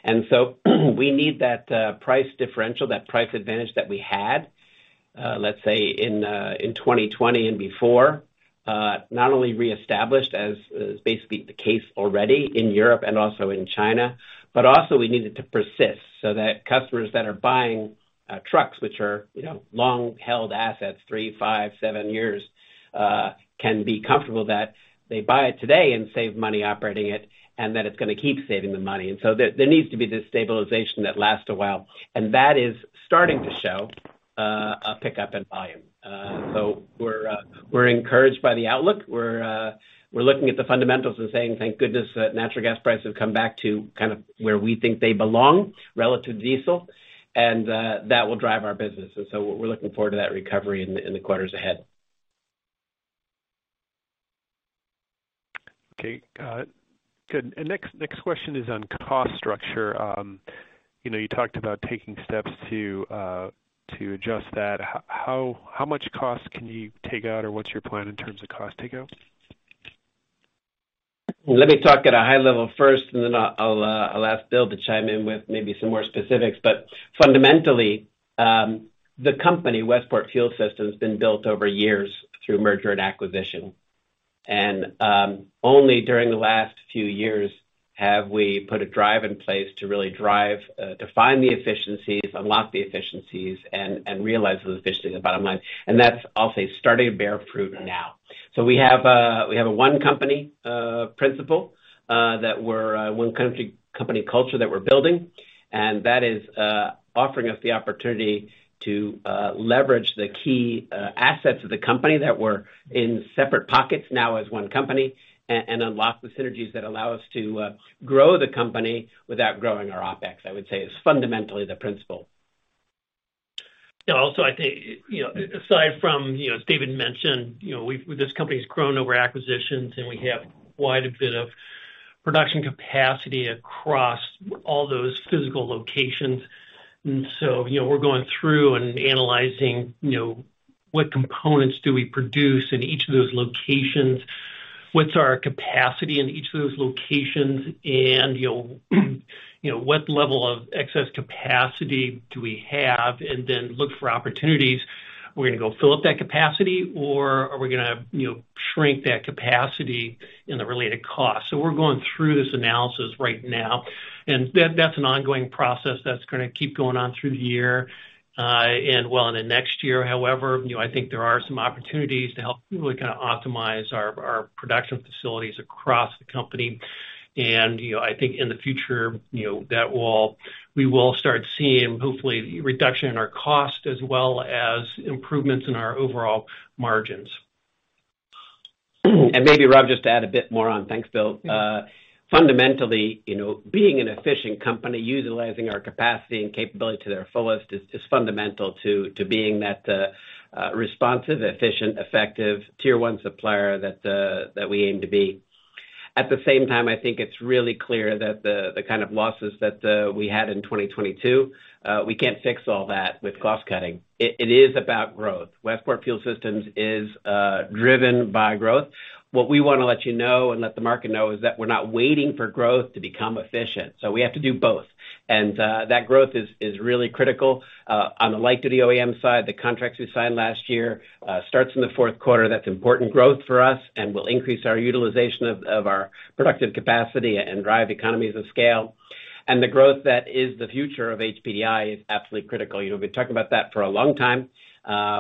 We need that price differential, that price advantage that we had, let's say in 2020 and before, not only reestablished as basically the case already in Europe and also in China, but also we need it to persist so that customers that are buying trucks, which are, you know, long-held assets, 3, 5, 7 years, can be comfortable that they buy it today and save money operating it, and that it's gonna keep saving them money. There needs to be this stabilization that lasts a while, and that is starting to show a pickup in volume. We're encouraged by the outlook. We're, we're looking at the fundamentals and saying, thank goodness that natural gas prices have come back to kind of where we think they belong relative to diesel, and, that will drive our business. We're looking forward to that recovery in the, in the quarters ahead. Okay. Good. Next question is on cost structure. You know, you talked about taking steps to adjust that. How much cost can you take out, or what's your plan in terms of cost takeout? Let me talk at a high level first. Then I'll ask Bill to chime in with maybe some more specifics. Fundamentally, the company, Westport Fuel Systems, has been built over years through merger and acquisition. Only during the last few years have we put a drive in place to really drive to find the efficiencies, unlock the efficiencies, and realize those efficiencies at bottom line. That's, I'll say, starting to bear fruit now. We have a one company principle that we're one country company culture that we're building. That is offering us the opportunity to leverage the key assets of the company that were in separate pockets now as one company and unlock the synergies that allow us to grow the company without growing our OpEx, I would say is fundamentally the principle. Also, I think, you know, aside from, you know, as David mentioned, you know, this company's grown over acquisitions, and we have quite a bit of production capacity across all those physical locations. You know, we're going through and analyzing, you know, what components do we produce in each of those locations? What's our capacity in each of those locations? And, you know, you know, what level of excess capacity do we have? And then look for opportunities. Are we gonna go fill up that capacity or are we gonna, you know, shrink that capacity and the related cost? We're going through this analysis right now, and that's an ongoing process that's gonna keep going on through the year, and well into next year. You know, I think there are some opportunities to help really kinda optimize our production facilities across the company. You know, I think in the future, you know, we will start seeing, hopefully, reduction in our cost as well as improvements in our overall margins. Maybe, Rob, just to add a bit more on. Thanks, Bill. fundamentally, you know, being an efficient company, utilizing our capacity and capability to their fullest is fundamental to being that responsive, efficient, effective tier one supplier that we aim to be. At the same time, I think it's really clear that the kind of losses that we had in 2022, we can't fix all that with cost-cutting. It, it is about growth. Westport Fuel Systems is driven by growth. What we wanna let you know and let the market know is that we're not waiting for growth to become efficient, so we have to do both. That growth is really critical on the light-duty OEM side. The contracts we signed last year, starts in the fourth quarter. That's important growth for us and will increase our utilization of our productive capacity and drive economies of scale. The growth that is the future of HPDI is absolutely critical. You know, we've been talking about that for a long time.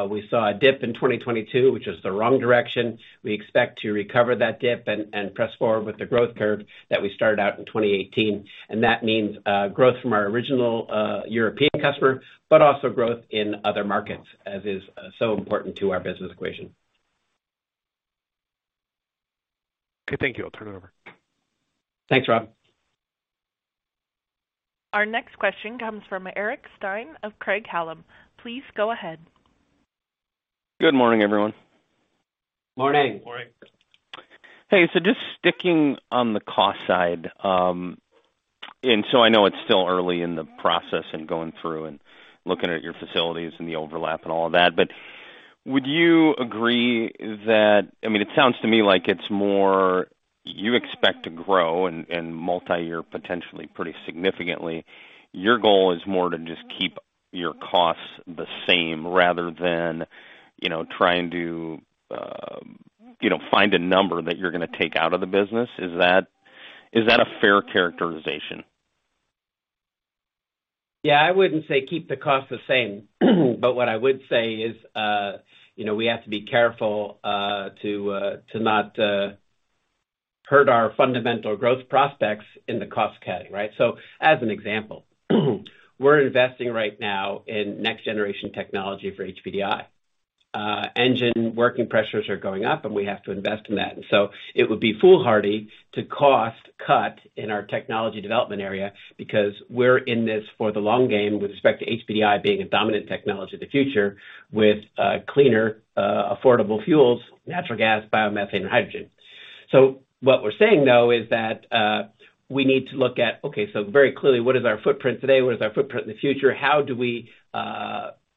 We saw a dip in 2022, which is the wrong direction. We expect to recover that dip and press forward with the growth curve that we started out in 2018. That means growth from our original European customer, but also growth in other markets, as is so important to our business equation. Okay, thank you. I'll turn it over. Thanks, Rob. Our next question comes from Eric Stine of Craig-Hallum. Please go ahead. Good morning, everyone. Morning. Morning. Hey, just sticking on the cost side, I know it's still early in the process and going through and looking at your facilities and the overlap and all of that, would you agree that I mean, it sounds to me like it's more you expect to grow and multi-year potentially pretty significantly. Your goal is more to just keep your costs the same rather than, you know, trying to, you know, find a number that you're gonna take out of the business. Is that a fair characterization? Yeah, I wouldn't say keep the cost the same. What I would say is, you know, we have to be careful to not hurt our fundamental growth prospects in the cost-cutting, right? As an example, we're investing right now in next-generation technology for HPDI. Engine working pressures are going up, and we have to invest in that. It would be foolhardy to cost cut in our technology development area because we're in this for the long game with respect to HPDI being a dominant technology of the future with cleaner, affordable fuels, natural gas, biomethane, and hydrogen. What we're saying, though, is that we need to look at, okay, so very clearly, what is our footprint today? What is our footprint in the future? How do we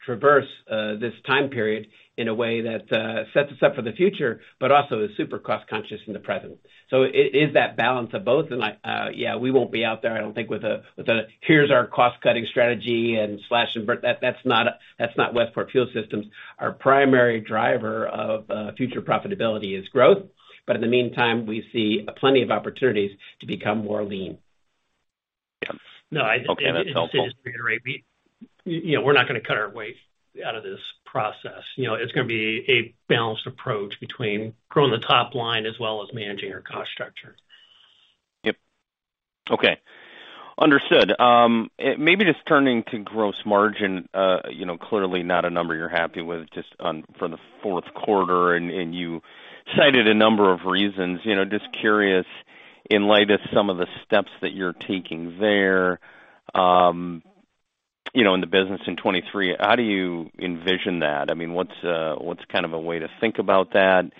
traverse this time period in a way that sets us up for the future, but also is super cost-conscious in the present? It is that balance of both. Yeah, we won't be out there, I don't think, with a, "Here's our cost-cutting strategy," and slash and burn. That's not Westport Fuel Systems. Our primary driver of future profitability is growth. In the meantime, we see plenty of opportunities to become more lean. Yeah. Okay, that's helpful. No, I just to reiterate, you know, we're not gonna cut our way out of this process. You know, it's gonna be a balanced approach between growing the top line as well as managing our cost structure. Yep. Okay. Understood. Maybe just turning to gross margin. You know, clearly not a number you're happy with just for the fourth quarter, and you cited a number of reasons. You know, just curious, in light of some of the steps that you're taking there, you know, in the business in 2023, how do you envision that? I mean, what's kind of a way to think about that,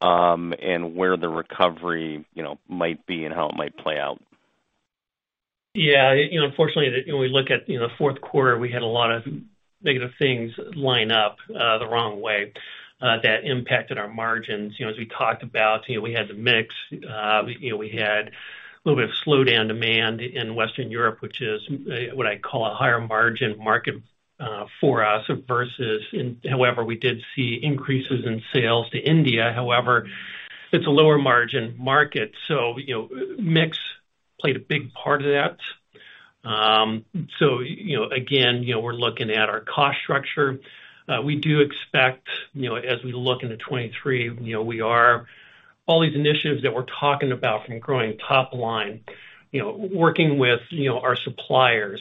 and where the recovery, you know, might be and how it might play out? Yeah. You know, unfortunately, you know, when we look at, you know, fourth quarter, we had a lot of negative things line up the wrong way that impacted our margins. You know, as we talked about, you know, we had the mix. You know, we had a little bit of slowdown demand in Western Europe, which is what I call a higher margin market for us versus in... However, we did see increases in sales to India. However, it's a lower margin market. You know, mix played a big part of that. You know, again, you know, we're looking at our cost structure. We do expect, you know, as we look into 2023, you know, we are... All these initiatives that we're talking about from growing top line, you know, working with, you know, our suppliers,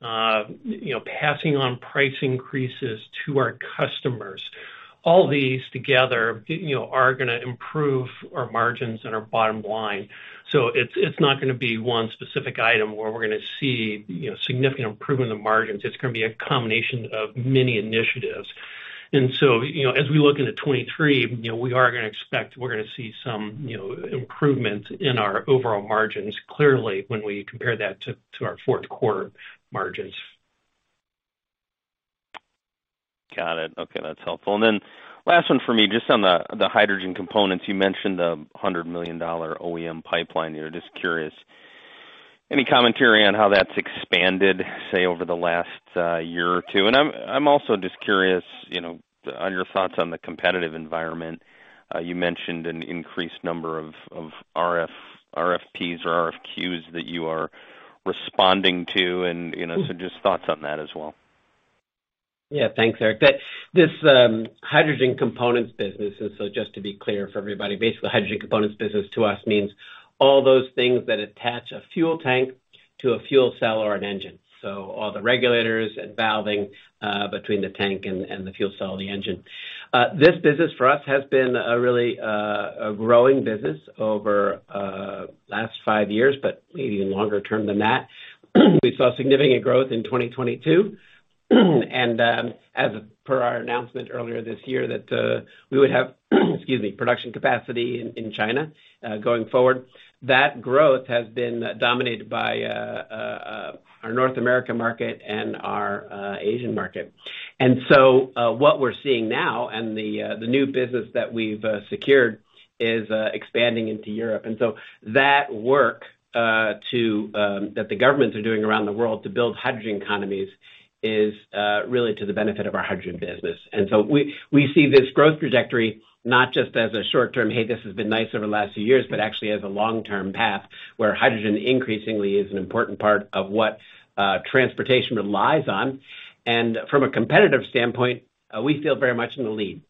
you know, passing on price increases to our customers, all these together, you know, are gonna improve our margins and our bottom line. It's not gonna be one specific item where we're gonna see, you know, significant improvement in margins. It's gonna be a combination of many initiatives. As we look into 2023, you know, we are gonna expect we're gonna see some, you know, improvements in our overall margins, clearly, when we compare that to our fourth quarter margins. Got it. Okay, that's helpful. Last one for me, just on the hydrogen components. You mentioned the $100 million OEM pipeline. You know, just curious, any commentary on how that's expanded, say, over the last year or 2? I'm also just curious, you know, on your thoughts on the competitive environment. You mentioned an increased number of RFPs or RFQs that you are responding to and, you know. Just thoughts on that as well. Yeah. Thanks, Eric. This hydrogen components business, and so just to be clear for everybody, basically, hydrogen components business to us means all those things that attach a fuel tank to a fuel cell or an engine, so all the regulators and valving, between the tank and the fuel cell or the engine. This business for us has been a really, a growing business over, last 5 years, but maybe even longer term than that. We saw significant growth in 2022, and as per our announcement earlier this year that, we would have, excuse me, production capacity in China, going forward. That growth has been dominated by our North America market and our Asian market. What we're seeing now and the new business that we've secured is expanding into Europe. That work that the governments are doing around the world to build hydrogen economies is really to the benefit of our hydrogen business. We see this growth trajectory not just as a short term, hey, this has been nice over the last few years, but actually as a long-term path where hydrogen increasingly is an important part of what transportation relies on. From a competitive standpoint, we feel very much in the lead.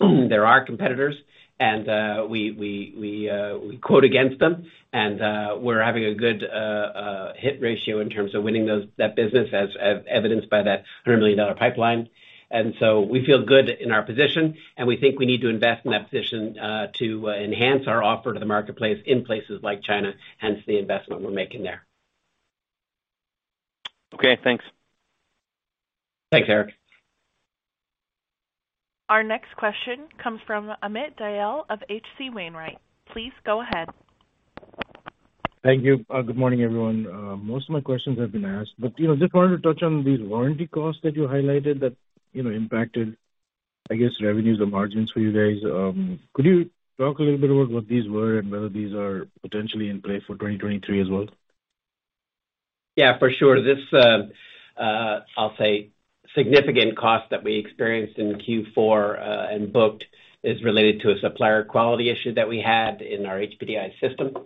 There are competitors and we quote against them, and we're having a good hit ratio in terms of winning that business as evidenced by that $100 million pipeline. We feel good in our position, and we think we need to invest in that position to enhance our offer to the marketplace in places like China, hence the investment we're making there. Okay, thanks. Thanks, Eric. Our next question comes from Amit Dayal of H.C. Wainwright. Please go ahead. Thank you. Good morning, everyone. Most of my questions have been asked. You know, just wanted to touch on these warranty costs that you highlighted that, you know, impacted, I guess, revenues or margins for you guys. Could you talk a little bit about what these were and whether these are potentially in play for 2023 as well? Yeah, for sure. This, I'll say, significant cost that we experienced in Q4 and booked is related to a supplier quality issue that we had in our HPDI system.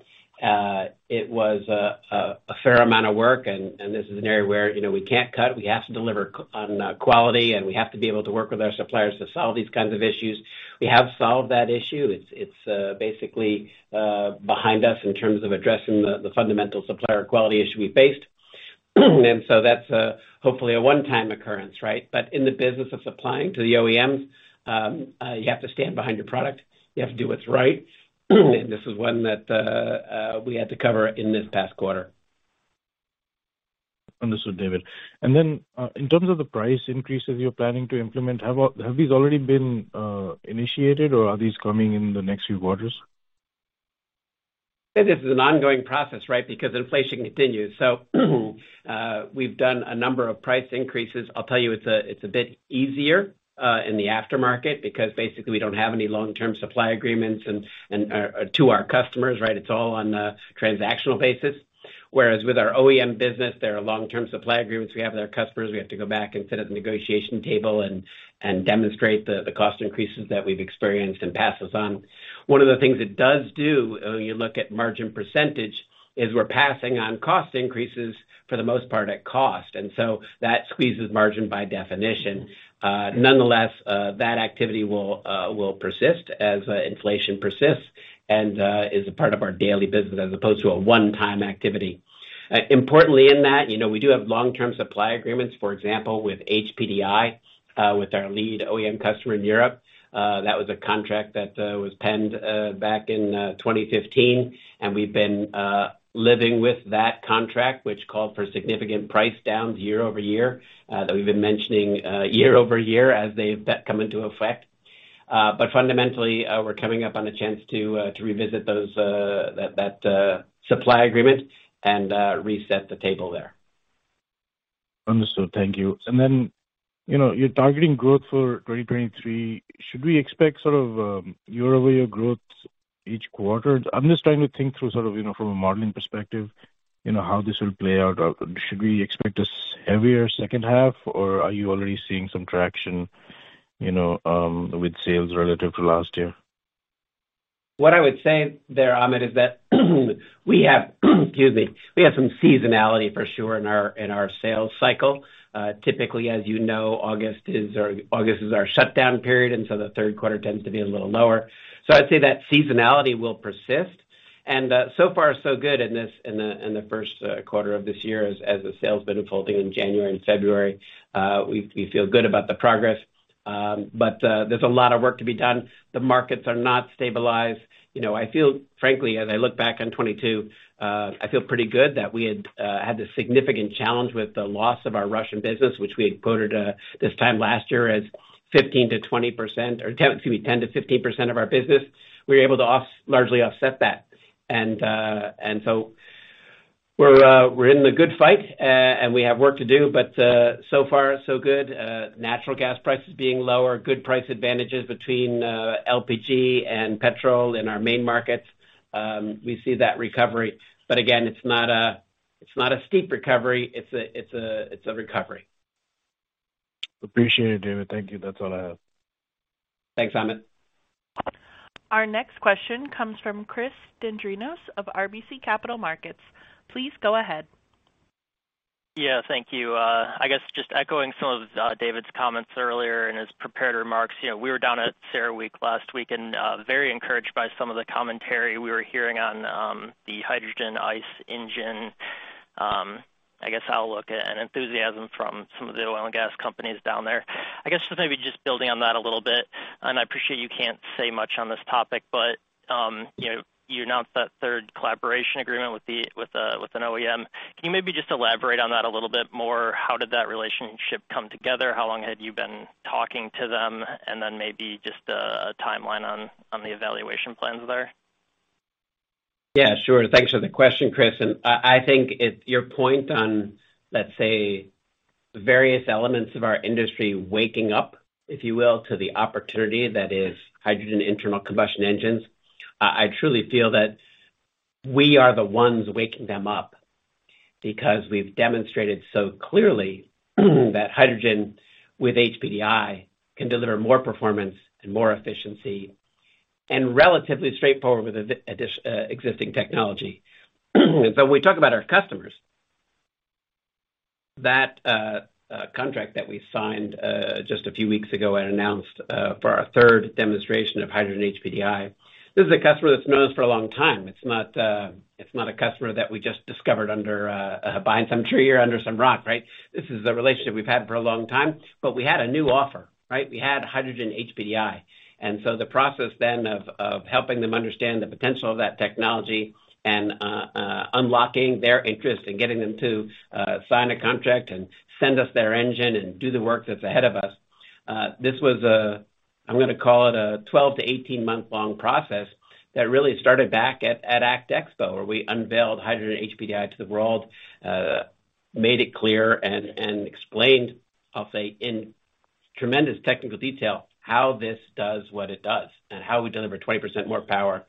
It was a fair amount of work and this is an area where, you know, we can't cut. We have to deliver on quality, and we have to be able to work with our suppliers to solve these kinds of issues. We have solved that issue. It's basically behind us in terms of addressing the fundamental supplier quality issue we faced. That's hopefully a one-time occurrence, right? But in the business of supplying to the OEMs, you have to stand behind your product, you have to do what's right. This is one that we had to cover in this past quarter. Understood, David. In terms of the price increases you're planning to implement, have these already been initiated or are these coming in the next few quarters? This is an ongoing process, right? Because inflation continues. We've done a number of price increases. I'll tell you, it's a bit easier in the aftermarket because basically we don't have any long-term supply agreements to our customers, right? It's all on a transactional basis. Whereas with our OEM business, there are long-term supply agreements we have with our customers. We have to go back and sit at the negotiation table and demonstrate the cost increases that we've experienced and pass those on. One of the things it does do, you look at margin percentage, is we're passing on cost increases for the most part at cost. That squeezes margin by definition. Nonetheless, that activity will persist as inflation persists and is a part of our daily business as opposed to a one-time activity. Importantly in that, you know, we do have long-term supply agreements, for example, with HPDI, with our lead OEM customer in Europe. That was a contract that was penned back in 2015, and we've been living with that contract, which called for significant price downs year over year, that we've been mentioning year over year as they've come into effect. Fundamentally, we're coming up on a chance to revisit those, that supply agreement and reset the table there. Understood. Thank you. You know, you're targeting growth for 2023. Should we expect sort of, year-over-year growth each quarter? I'm just trying to think through sort of, you know, from a modeling perspective, you know, how this will play out. Should we expect a heavier second half, or are you already seeing some traction, you know, with sales relative to last year? What I would say there, Amit, is that, excuse me, we have some seasonality for sure in our sales cycle. Typically, as you know, August is our shutdown period, and so the third quarter tends to be a little lower. I'd say that seasonality will persist. So far, so good in this, in the first quarter of this year as the sales been unfolding in January and February. We feel good about the progress, but there's a lot of work to be done. The markets are not stabilized. You know, I feel, frankly, as I look back on 2022, I feel pretty good that we had had this significant challenge with the loss of our Russian business, which we had quoted this time last year as 15%-20% or excuse me, 10%-15% of our business. We were able to largely offset that. We're in the good fight, and we have work to do, so far, so good. Natural gas prices being lower, good price advantages between LPG and petrol in our main markets. We see that recovery. Again, it's not a, it's not a steep recovery. It's a, it's a, it's a recovery. Appreciate it, David. Thank you. That's all I have. Thanks, Amit. Our next question comes from Chris Dendrinos of RBC Capital Markets. Please go ahead. Yeah. Thank you. I guess just echoing some of David's comments earlier in his prepared remarks. You know, we were down at CERAWeek last week and very encouraged by some of the commentary we were hearing on the hydrogen ICE engine, I guess, outlook and enthusiasm from some of the oil and gas companies down there. I guess just maybe just building on that a little bit, and I appreciate you can't say much on this topic, but, you know, you announced that third collaboration agreement with an OEM. Can you maybe just elaborate on that a little bit more? How did that relationship come together? How long had you been talking to them? Maybe just a timeline on the evaluation plans there. Yeah, sure. Thanks for the question, Chris. I think your point on, let's say, various elements of our industry waking up, if you will, to the opportunity that is hydrogen internal combustion engines, I truly feel that we are the ones waking them up because we've demonstrated so clearly that hydrogen with HPDI can deliver more performance and more efficiency and relatively straightforward with existing technology. When we talk about our customers, that contract that we signed just a few weeks ago and announced for our third demonstration of hydrogen HPDI, this is a customer that's known us for a long time. It's not, it's not a customer that we just discovered under a behind some tree or under some rock, right? This is a relationship we've had for a long time, but we had a new offer, right? We had hydrogen HPDI. The process then of helping them understand the potential of that technology and unlocking their interest and getting them to sign a contract and send us their engine and do the work that's ahead of us, this was a, I'm gonna call it a 12-18-month-long process that really started back at ACT Expo, where we unveiled hydrogen HPDI to the world, made it clear and explained, I'll say, in tremendous technical detail how this does what it does and how we deliver 20% more power,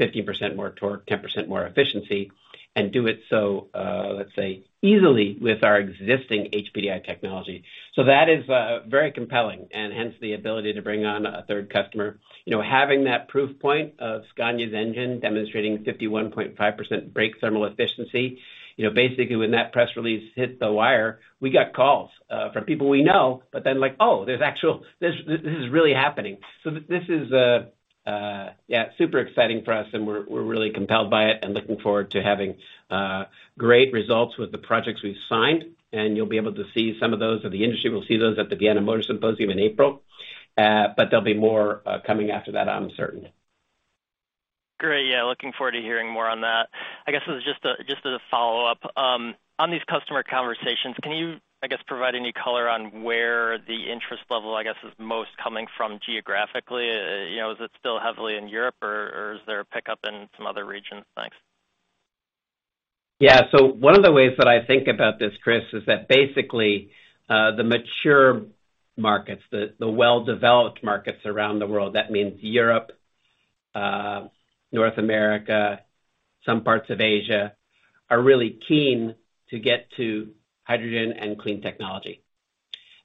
15% more torque, 10% more efficiency, and do it so, let's say, easily with our existing HPDI technology. That is very compelling and hence the ability to bring on a third customer. You know, having that proof point of Scania's engine demonstrating 51.5% brake thermal efficiency, you know, basically when that press release hit the wire, we got calls from people we know, but then like, "Oh, there's actual... This, this is really happening." This is yeah, super exciting for us, and we're really compelled by it and looking forward to having great results with the projects we've signed. You'll be able to see some of those or the industry will see those at the Vienna Motor Symposium in April. There'll be more coming after that, I'm certain. Great. Yeah, looking forward to hearing more on that. I guess just as a follow-up, on these customer conversations, can you, I guess, provide any color on where the interest level, I guess, is most coming from geographically? You know, is it still heavily in Europe, or is there a pickup in some other regions? Thanks. Yeah. One of the ways that I think about this, Chris, is that basically, the mature markets, the well-developed markets around the world, that means Europe, North America, some parts of Asia, are really keen to get to hydrogen and clean technology,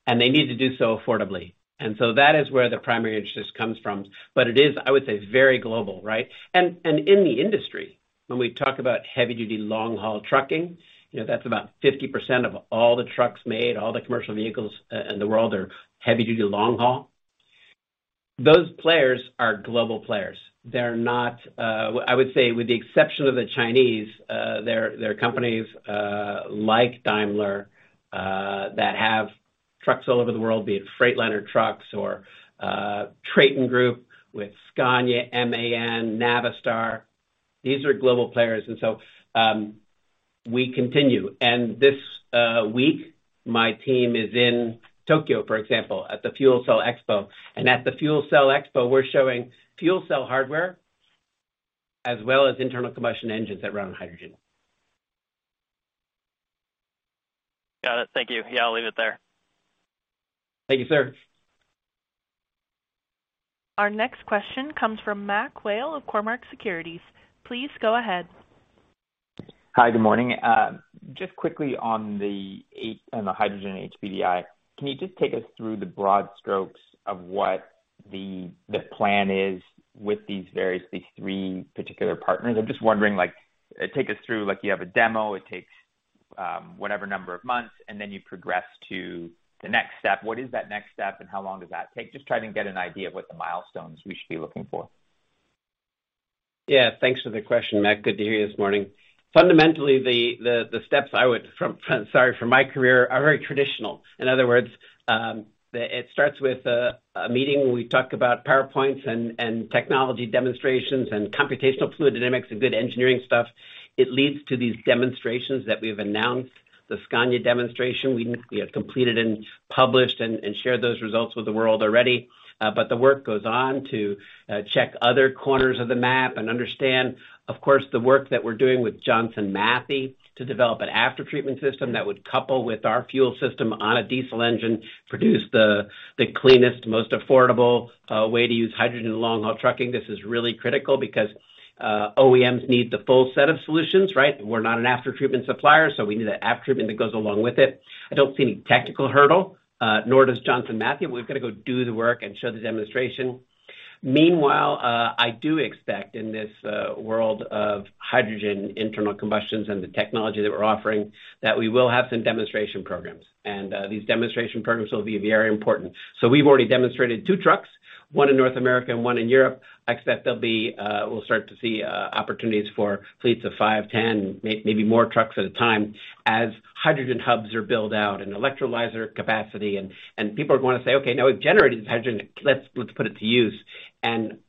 and they need to do so affordably. That is where the primary interest comes from. It is, I would say, very global, right? In the industry, when we talk about heavy-duty long-haul trucking, you know, that's about 50% of all the trucks made, all the commercial vehicles in the world are heavy-duty long-haul. Those players are global players. They're not, I would say with the exception of the Chinese, they're companies like Daimler that have trucks all over the world, be it Freightliner trucks or Traton Group with Scania, MAN, Navistar. These are global players. We continue. This week, my team is in Tokyo, for example, at the Fuel Cell Expo. At the Fuel Cell Expo, we're showing fuel cell hardware as well as internal combustion engines that run on hydrogen. Got it. Thank you. Yeah, I'll leave it there. Thank you, sir. Our next question comes from MacMurray Whale of Cormark Securities. Please go ahead. Hi, good morning. Just quickly on the hydrogen HPDI, can you just take us through the broad strokes of what the plan is with these various, these 3 particular partners? I'm just wondering, like, take us through you have a demo, it takes whatever number of months, and then you progress to the next step. What is that next step, and how long does that take? Just trying to get an idea of what the milestones we should be looking for. Yeah. Thanks for the question, Mac. Good to hear you this morning. Fundamentally, the steps from my career are very traditional. In other words, it starts with a meeting. We talk about PowerPoints and technology demonstrations and computational fluid dynamics and good engineering stuff. It leads to these demonstrations that we've announced. The Scania demonstration we have completed and published and shared those results with the world already. The work goes on to check other corners of the map and understand, of course, the work that we're doing with Johnson Matthey to develop an aftertreatment system that would couple with our fuel system on a diesel engine, produce the cleanest, most affordable way to use hydrogen in long-haul trucking. This is really critical because OEMs need the full set of solutions, right? We're not an aftertreatment supplier. We need an aftertreatment that goes along with it. I don't see any technical hurdle, nor does Johnson Matthey. We've got to go do the work and show the demonstration. Meanwhile, I do expect in this world of hydrogen internal combustions and the technology that we're offering, that we will have some demonstration programs. These demonstration programs will be very important. We've already demonstrated 2 trucks, one in North America and one in Europe. I expect there'll be, we'll start to see opportunities for fleets of 5, 10, maybe more trucks at a time as hydrogen hubs are built out and electrolyzer capacity and people are gonna say, "Okay, now we've generated this hydrogen. Let's put it to use."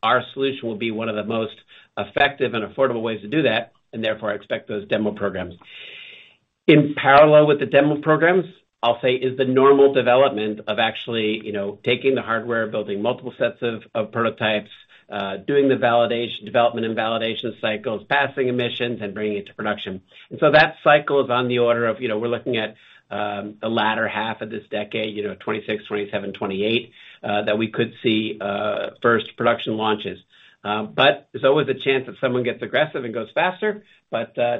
Our solution will be one of the most effective and affordable ways to do that, and therefore, I expect those demo programs. In parallel with the demo programs, I'll say, is the normal development of actually, you know, taking the hardware, building multiple sets of prototypes, doing the validation, development and validation cycles, passing emissions and bringing it to production. That cycle is on the order of, you know, we're looking at the latter half of this decade, you know, 2026, 2027, 2028, that we could see first production launches. There's always a chance that someone gets aggressive and goes faster.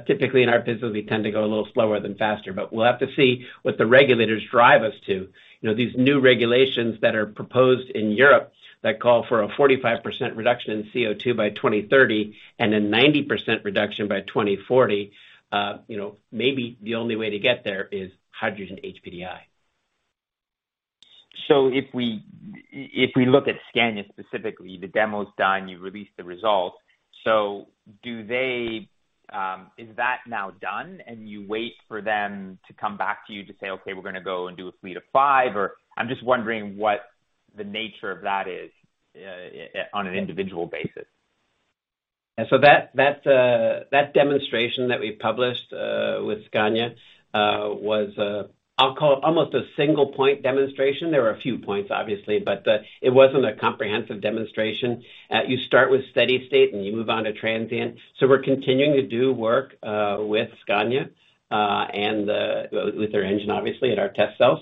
Typically in our business, we tend to go a little slower than faster. We'll have to see what the regulators drive us to. You know, these new regulations that are proposed in Europe that call for a 45% reduction in CO2 by 2030 and a 90% reduction by 2040, you know, maybe the only way to get there is hydrogen HPDI. If we look at Scania specifically, the demo's done, you've released the results. Do they... Is that now done and you wait for them to come back to you to say, "Okay, we're gonna go and do a fleet of 5?" Or I'm just wondering what the nature of that is on an individual basis. That demonstration that we published with Scania was, I'll call it, almost a single point demonstration. There were a few points, obviously, but it wasn't a comprehensive demonstration. You start with steady state and you move on to transient. We're continuing to do work with Scania and with their engine, obviously, at our test cells.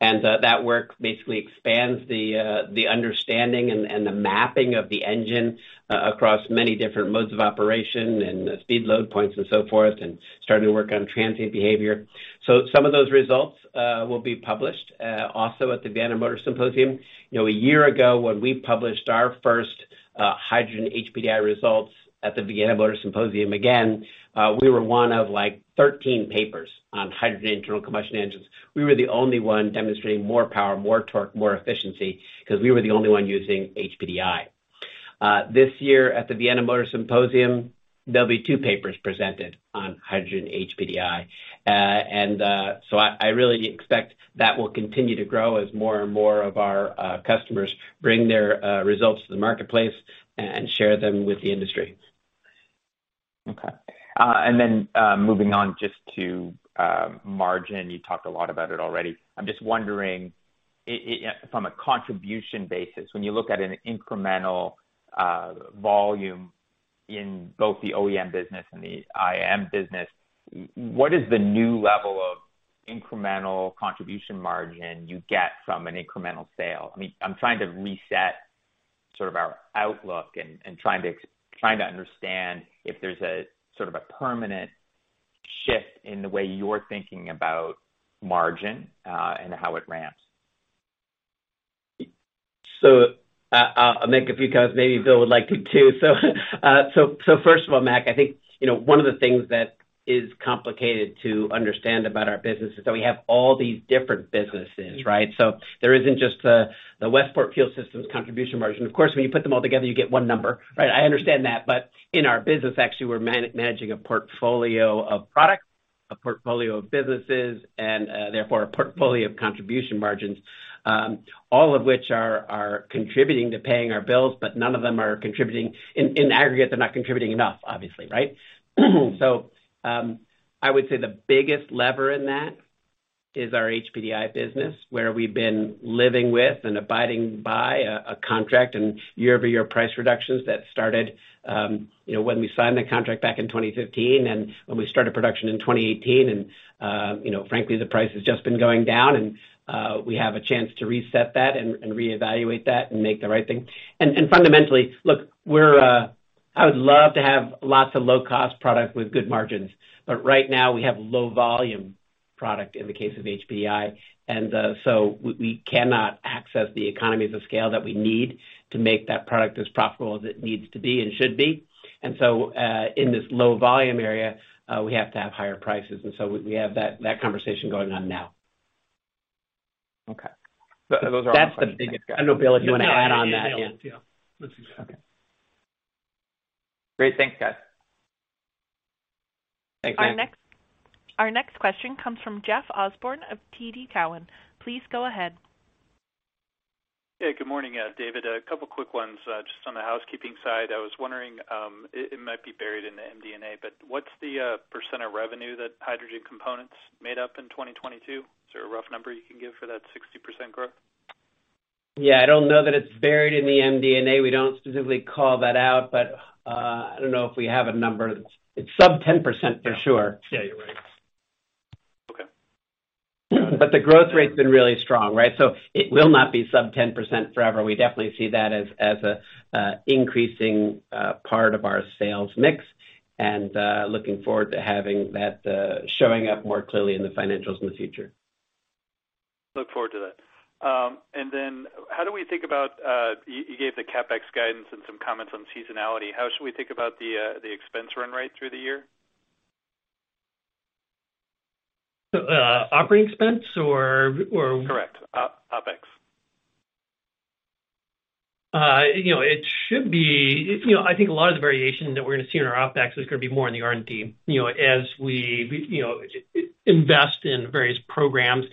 That work basically expands the understanding and the mapping of the engine across many different modes of operation and speed load points and so forth, and starting to work on transient behavior. Some of those results will be published also at the Vienna Motor Symposium. You know, a year ago when we published our first, hydrogen HPDI results at the Vienna Motor Symposium, again, we were one of like 13 papers on hydrogen internal combustion engines. We were the only one demonstrating more power, more torque, more efficiency, because we were the only one using HPDI. This year at the Vienna Motor Symposium, there'll be 2 papers presented on hydrogen HPDI. I really expect that will continue to grow as more and more of our customers bring their results to the marketplace and share them with the industry. Okay. Moving on just to margin. You talked a lot about it already. I'm just wondering from a contribution basis, when you look at an incremental volume in both the OEM business and the IM business, what is the new level of incremental contribution margin you get from an incremental sale? I mean, I'm trying to reset sort of our outlook and trying to understand if there's a sort of a permanent shift in the way you're thinking about margin and how it ramps. I'll make a few comments. Maybe Bill would like to too. First of all, Mac, I think, you know, one of the things that is complicated to understand about our business is that we have all these different businesses, right? There isn't just the Westport Fuel Systems contribution margin. Of course, when you put them all together, you get one number, right? I understand that. In our business, actually, we're managing a portfolio of products, a portfolio of businesses, and therefore a portfolio of contribution margins. All of which are contributing to paying our bills, but none of them are contributing. In aggregate, they're not contributing enough, obviously, right? I would say the biggest lever in that is our HPDI business, where we've been living with and abiding by a contract and year-over-year price reductions that started, you know, when we signed the contract back in 2015 and when we started production in 2018, frankly, the price has just been going down and we have a chance to reset that and reevaluate that and make the right thing. Fundamentally, look, I would love to have lots of low-cost product with good margins, but right now we have low volume product in the case of HPDI. We cannot access the economies of scale that we need to make that product as profitable as it needs to be and should be. In this low volume area, we have to have higher prices, and so we have that conversation going on now. Okay. Those are all my questions. Thanks, guys. That's the biggest handle, Bill, if you wanna add on that. Yeah. Yeah. Let's do that. Okay. Great. Thanks, guys. Thanks, Mac. Our next question comes from Jeffrey Osborne of TD Cowen. Please go ahead. Yeah, good morning, David. A couple quick ones, just on the housekeeping side. I was wondering, it might be buried in the MD&A, but what's the % of revenue that hydrogen components made up in 2022? Is there a rough number you can give for that 60% growth? Yeah. I don't know that it's buried in the MD&A. We don't specifically call that out. I don't know if we have a number. It's sub 10% for sure. Yeah. You're right. Okay. The growth rate's been really strong, right? It will not be sub 10% forever. We definitely see that as a increasing part of our sales mix, and looking forward to having that showing up more clearly in the financials in the future. Look forward to that. How do we think about, you gave the CapEx guidance and some comments on seasonality. How should we think about the expense run right through the year? Operating expense. Correct. OPEX. You know, I think a lot of the variation that we're gonna see in our OpEx is gonna be more in the R&D, you know, as we, you know, invest in various programs.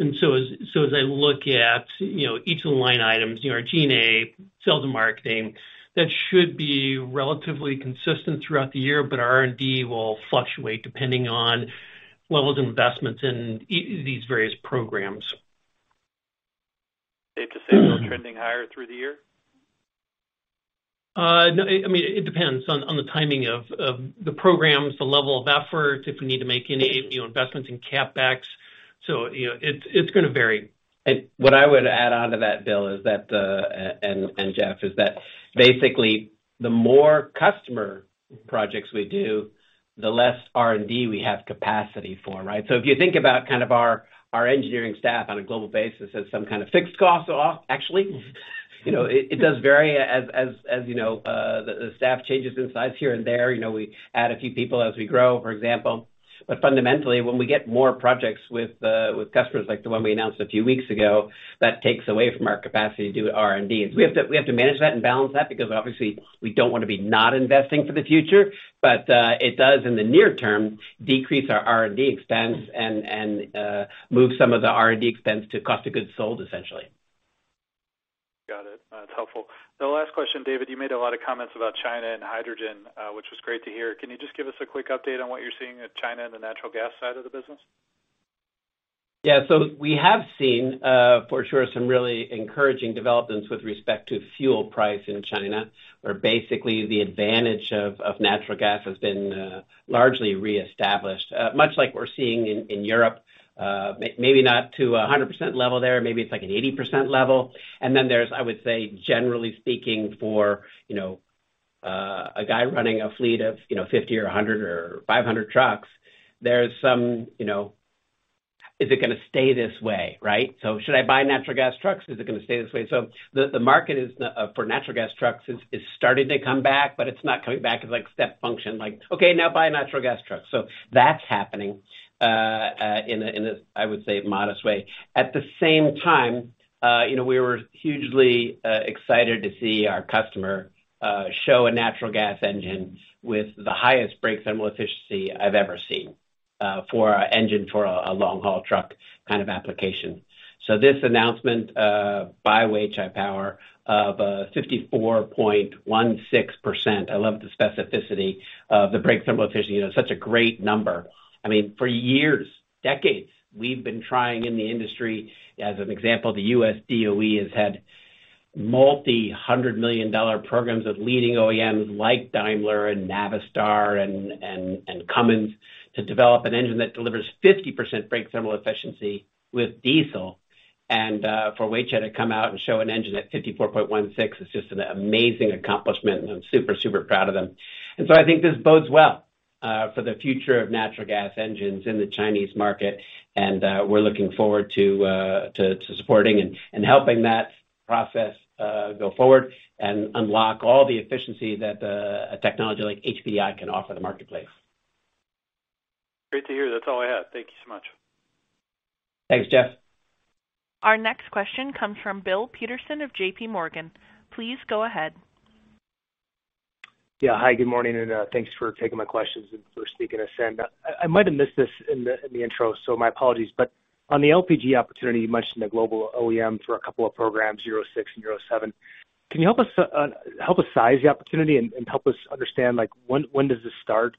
As I look at, you know, each of the line items, you know, our G&A, sales and marketing, that should be relatively consistent throughout the year, but R&D will fluctuate depending on levels of investments in these various programs. Safe to say they're trending higher through the year? No, I mean, it depends on the timing of the programs, the level of effort, if we need to make any, you know, investments in CapEx. You know, it's gonna vary. What I would add on to that, Bill, is that, and Jeff, is that basically the more customer projects we do, the less R&D we have capacity for, right? If you think about kind of our engineering staff on a global basis as some kind of fixed cost off, actually, you know, it does vary as you know, the staff changes in size here and there. You know, we add a few people as we grow, for example. Fundamentally, when we get more projects with customers like the one we announced a few weeks ago, that takes away from our capacity to do R&D. We have to manage that and balance that because obviously we don't wanna be not investing for the future, but it does, in the near term, decrease our R&D expense and move some of the R&D expense to cost of goods sold, essentially. Got it. That's helpful. The last question, David, you made a lot of comments about China and hydrogen, which was great to hear. Can you just give us a quick update on what you're seeing at China and the natural gas side of the business? We have seen, for sure some really encouraging developments with respect to fuel price in China, where basically the advantage of natural gas has been largely reestablished. Much like we're seeing in Europe, maybe not to a 100% level there, maybe it's like an 80% level. Then there's, I would say, generally speaking for, you know, a guy running a fleet of, you know, 50 or 100 or 500 trucks, there's some, you know. Is it gonna stay this way, right? Should I buy natural gas trucks? Is it gonna stay this way? The market for natural gas trucks is starting to come back, but it's not coming back as like step function, like, "Okay, now buy natural gas trucks." That's happening in a, I would say, modest way. At the same time, you know, we were hugely excited to see our customer show a natural gas engine with the highest Brake thermal efficiency I've ever seen for a engine for a long-haul truck kind of application. This announcement by Weichai Power of 54.16%, I love the specificity of the Brake thermal efficiency, you know, such a great number. I mean, for years, decades, we've been trying in the industry, as an example, the U.S. DOE has had $multi-hundred million programs with leading OEMs like Daimler and Navistar and Cummins to develop an engine that delivers 50% brake thermal efficiency with diesel. For Weichai to come out and show an engine at 54.16 is just an amazing accomplishment, and I'm super proud of them. I think this bodes well for the future of natural gas engines in the Chinese market, and we're looking forward to supporting and helping that process go forward and unlock all the efficiency that a technology like HPDI can offer the marketplace. Great to hear. That's all I had. Thank you so much. Thanks, Jeff. Our next question comes from Bill Peterson of JPMorgan. Please go ahead. Yeah. Hi, good morning, thanks for taking my questions and for speaking to us. I might have missed this in the intro, so my apologies. On the LPG opportunity, you mentioned the global OEM for a couple of programs, Euro 6 and Euro 7. Can you help us, help us size the opportunity and help us understand, like when does this start?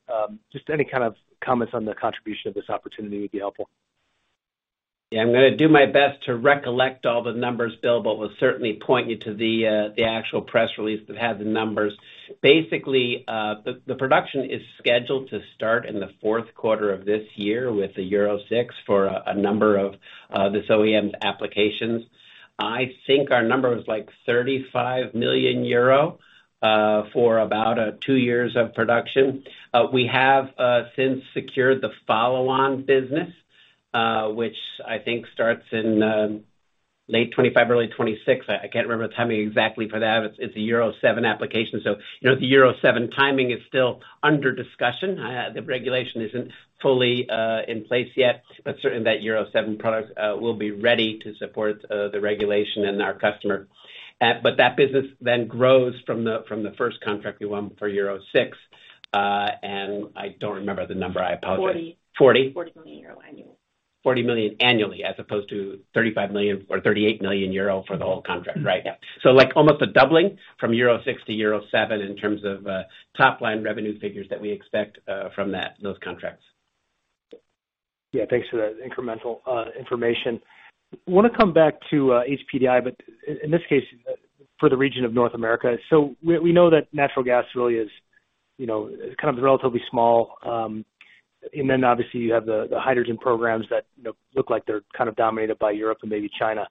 Just any kind of comments on the contribution of this opportunity would be helpful. Yeah. I'm gonna do my best to recollect all the numbers, Bill, we'll certainly point you to the actual press release that had the numbers. Basically, the production is scheduled to start in the fourth quarter of this year with the Euro 6 for a number of this OEM's applications. I think our number was like 35 million euro for about 2 years of production. We have since secured the follow-on business, which I think starts in late 2025, early 2026. I can't remember the timing exactly for that. It's a Euro 7 application. You know, the Euro 7 timing is still under discussion. The regulation isn't fully in place yet, certainly that Euro 7 product will be ready to support the regulation and our customer. That business then grows from the first contract we won for Euro 6. I don't remember the number. I apologize. 40 million. 40 million euro? EUR 40 million annually. 40 million annually as opposed to 35 million or 38 million euro for the whole contract, right? Yeah. Like almost a doubling from Euro 6 to Euro 7 in terms of top-line revenue figures that we expect from that, those contracts. Yeah. Thanks for that incremental information. Wanna come back to HPDI, but in this case, for the region of North America. We know that natural gas really is, you know, kind of relatively small. Obviously you have the hydrogen programs that, you know, look like they're kind of dominated by Europe and maybe China.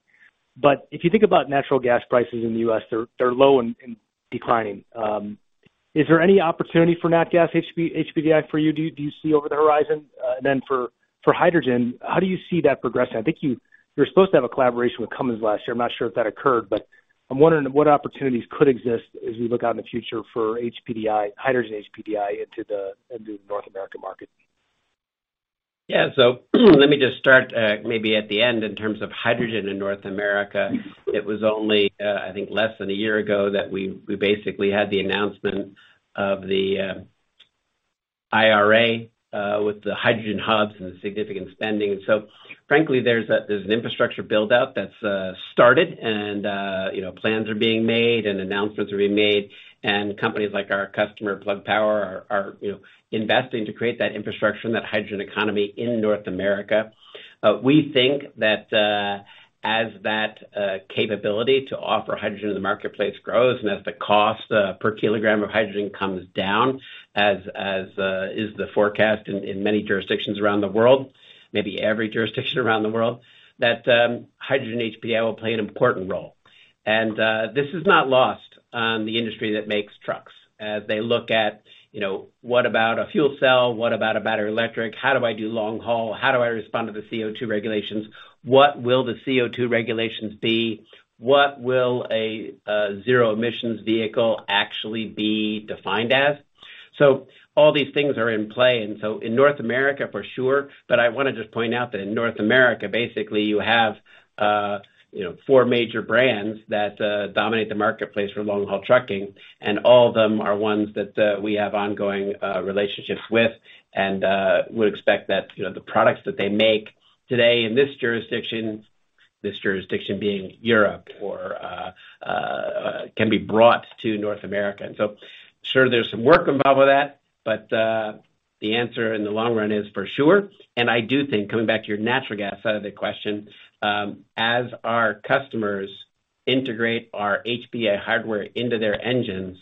If you think about natural gas prices in the U.S., they're low and declining. Is there any opportunity for nat gas HPDI for you, do you see over the horizon? For hydrogen, how do you see that progressing? I think you're supposed to have a collaboration with Cummins last year. I'm not sure if that occurred, but I'm wondering what opportunities could exist as we look out in the future for hydrogen HPDI in the North American market. Let me just start, maybe at the end in terms of hydrogen in North America. It was only, I think less than 1 year ago that we basically had the announcement of the IRA, with the hydrogen hubs and the significant spending. Frankly, there's an infrastructure build-out that's started and, you know, plans are being made and announcements are being made, and companies like our customer, Plug Power, are, you know, investing to create that infrastructure and that hydrogen economy in North America. We think that as that capability to offer hydrogen in the marketplace grows and as the cost per kilogram of hydrogen comes down as is the forecast in many jurisdictions around the world, maybe every jurisdiction around the world, that hydrogen HPDI will play an important role. This is not lost on the industry that makes trucks as they look at, you know, what about a fuel cell? What about a battery electric? How do I do long haul? How do I respond to the CO2 regulations? What will the CO2 regulations be? What will a zero emissions vehicle actually be defined as? All these things are in play. In North America for sure, but I wanna just point out that in North America, basically you have, you know, four major brands that dominate the marketplace for long-haul trucking, and all of them are ones that we have ongoing relationships with and would expect that, you know, the products that they make today in this jurisdiction, this jurisdiction being Europe or can be brought to North America. Sure there's some work involved with that, but the answer in the long run is for sure. I do think coming back to your natural gas side of the question, as our customers integrate our HPDI hardware into their engines,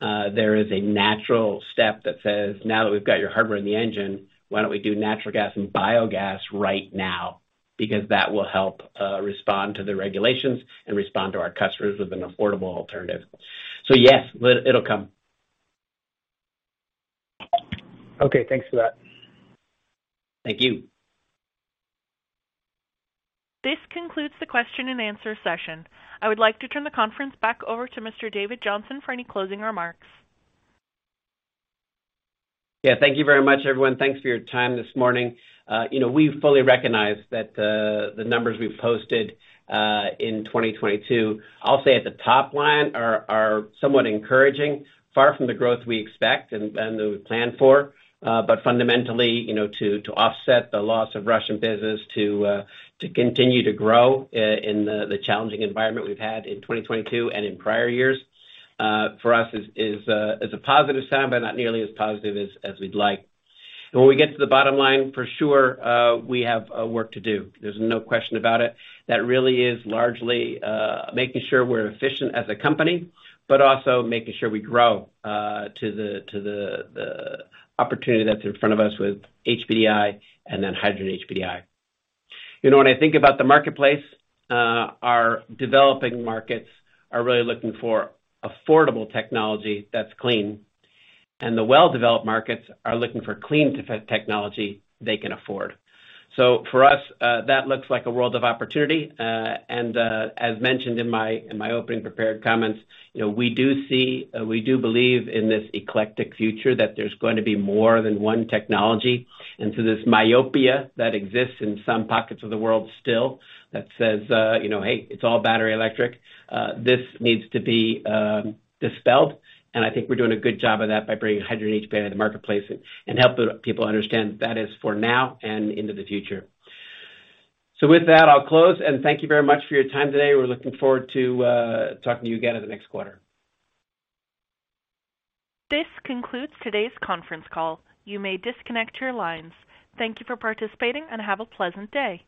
there is a natural step that says, "Now that we've got your hardware in the engine, why don't we do natural gas and biogas right now?" Because that will help respond to the regulations and respond to our customers with an affordable alternative. Yes, it'll come. Okay. Thanks for that. Thank you. This concludes the question and answer session. I would like to turn the conference back over to Mr. David Johnson for any closing remarks. Yeah. Thank you very much, everyone. Thanks for your time this morning. You know, we fully recognize that the numbers we've posted in 2022, I'll say at the top line are somewhat encouraging, far from the growth we expect and that we plan for. Fundamentally, you know, to offset the loss of Russian business to continue to grow in the challenging environment we've had in 2022 and in prior years, for us is a positive sign, but not nearly as positive as we'd like. When we get to the bottom line, for sure, we have work to do. There's no question about it. That really is largely making sure we're efficient as a company, but also making sure we grow to the opportunity that's in front of us with HPDI and then hydrogen HPDI. You know, when I think about the marketplace, our developing markets are really looking for affordable technology that's clean, and the well-developed markets are looking for clean tech-technology they can afford. For us, that looks like a world of opportunity. As mentioned in my, in my opening prepared comments, you know, we do see, we do believe in this eclectic future that there's going to be more than one technology. This myopia that exists in some pockets of the world still that says, you know, "Hey, it's all battery electric," this needs to be dispelled. I think we're doing a good job of that by bringing H2 HPDI to the marketplace and help people understand that is for now and into the future. With that, I'll close and thank you very much for your time today. We're looking forward to talking to you again in the next quarter. This concludes today's conference call. You may disconnect your lines. Thank you for participating. Have a pleasant day.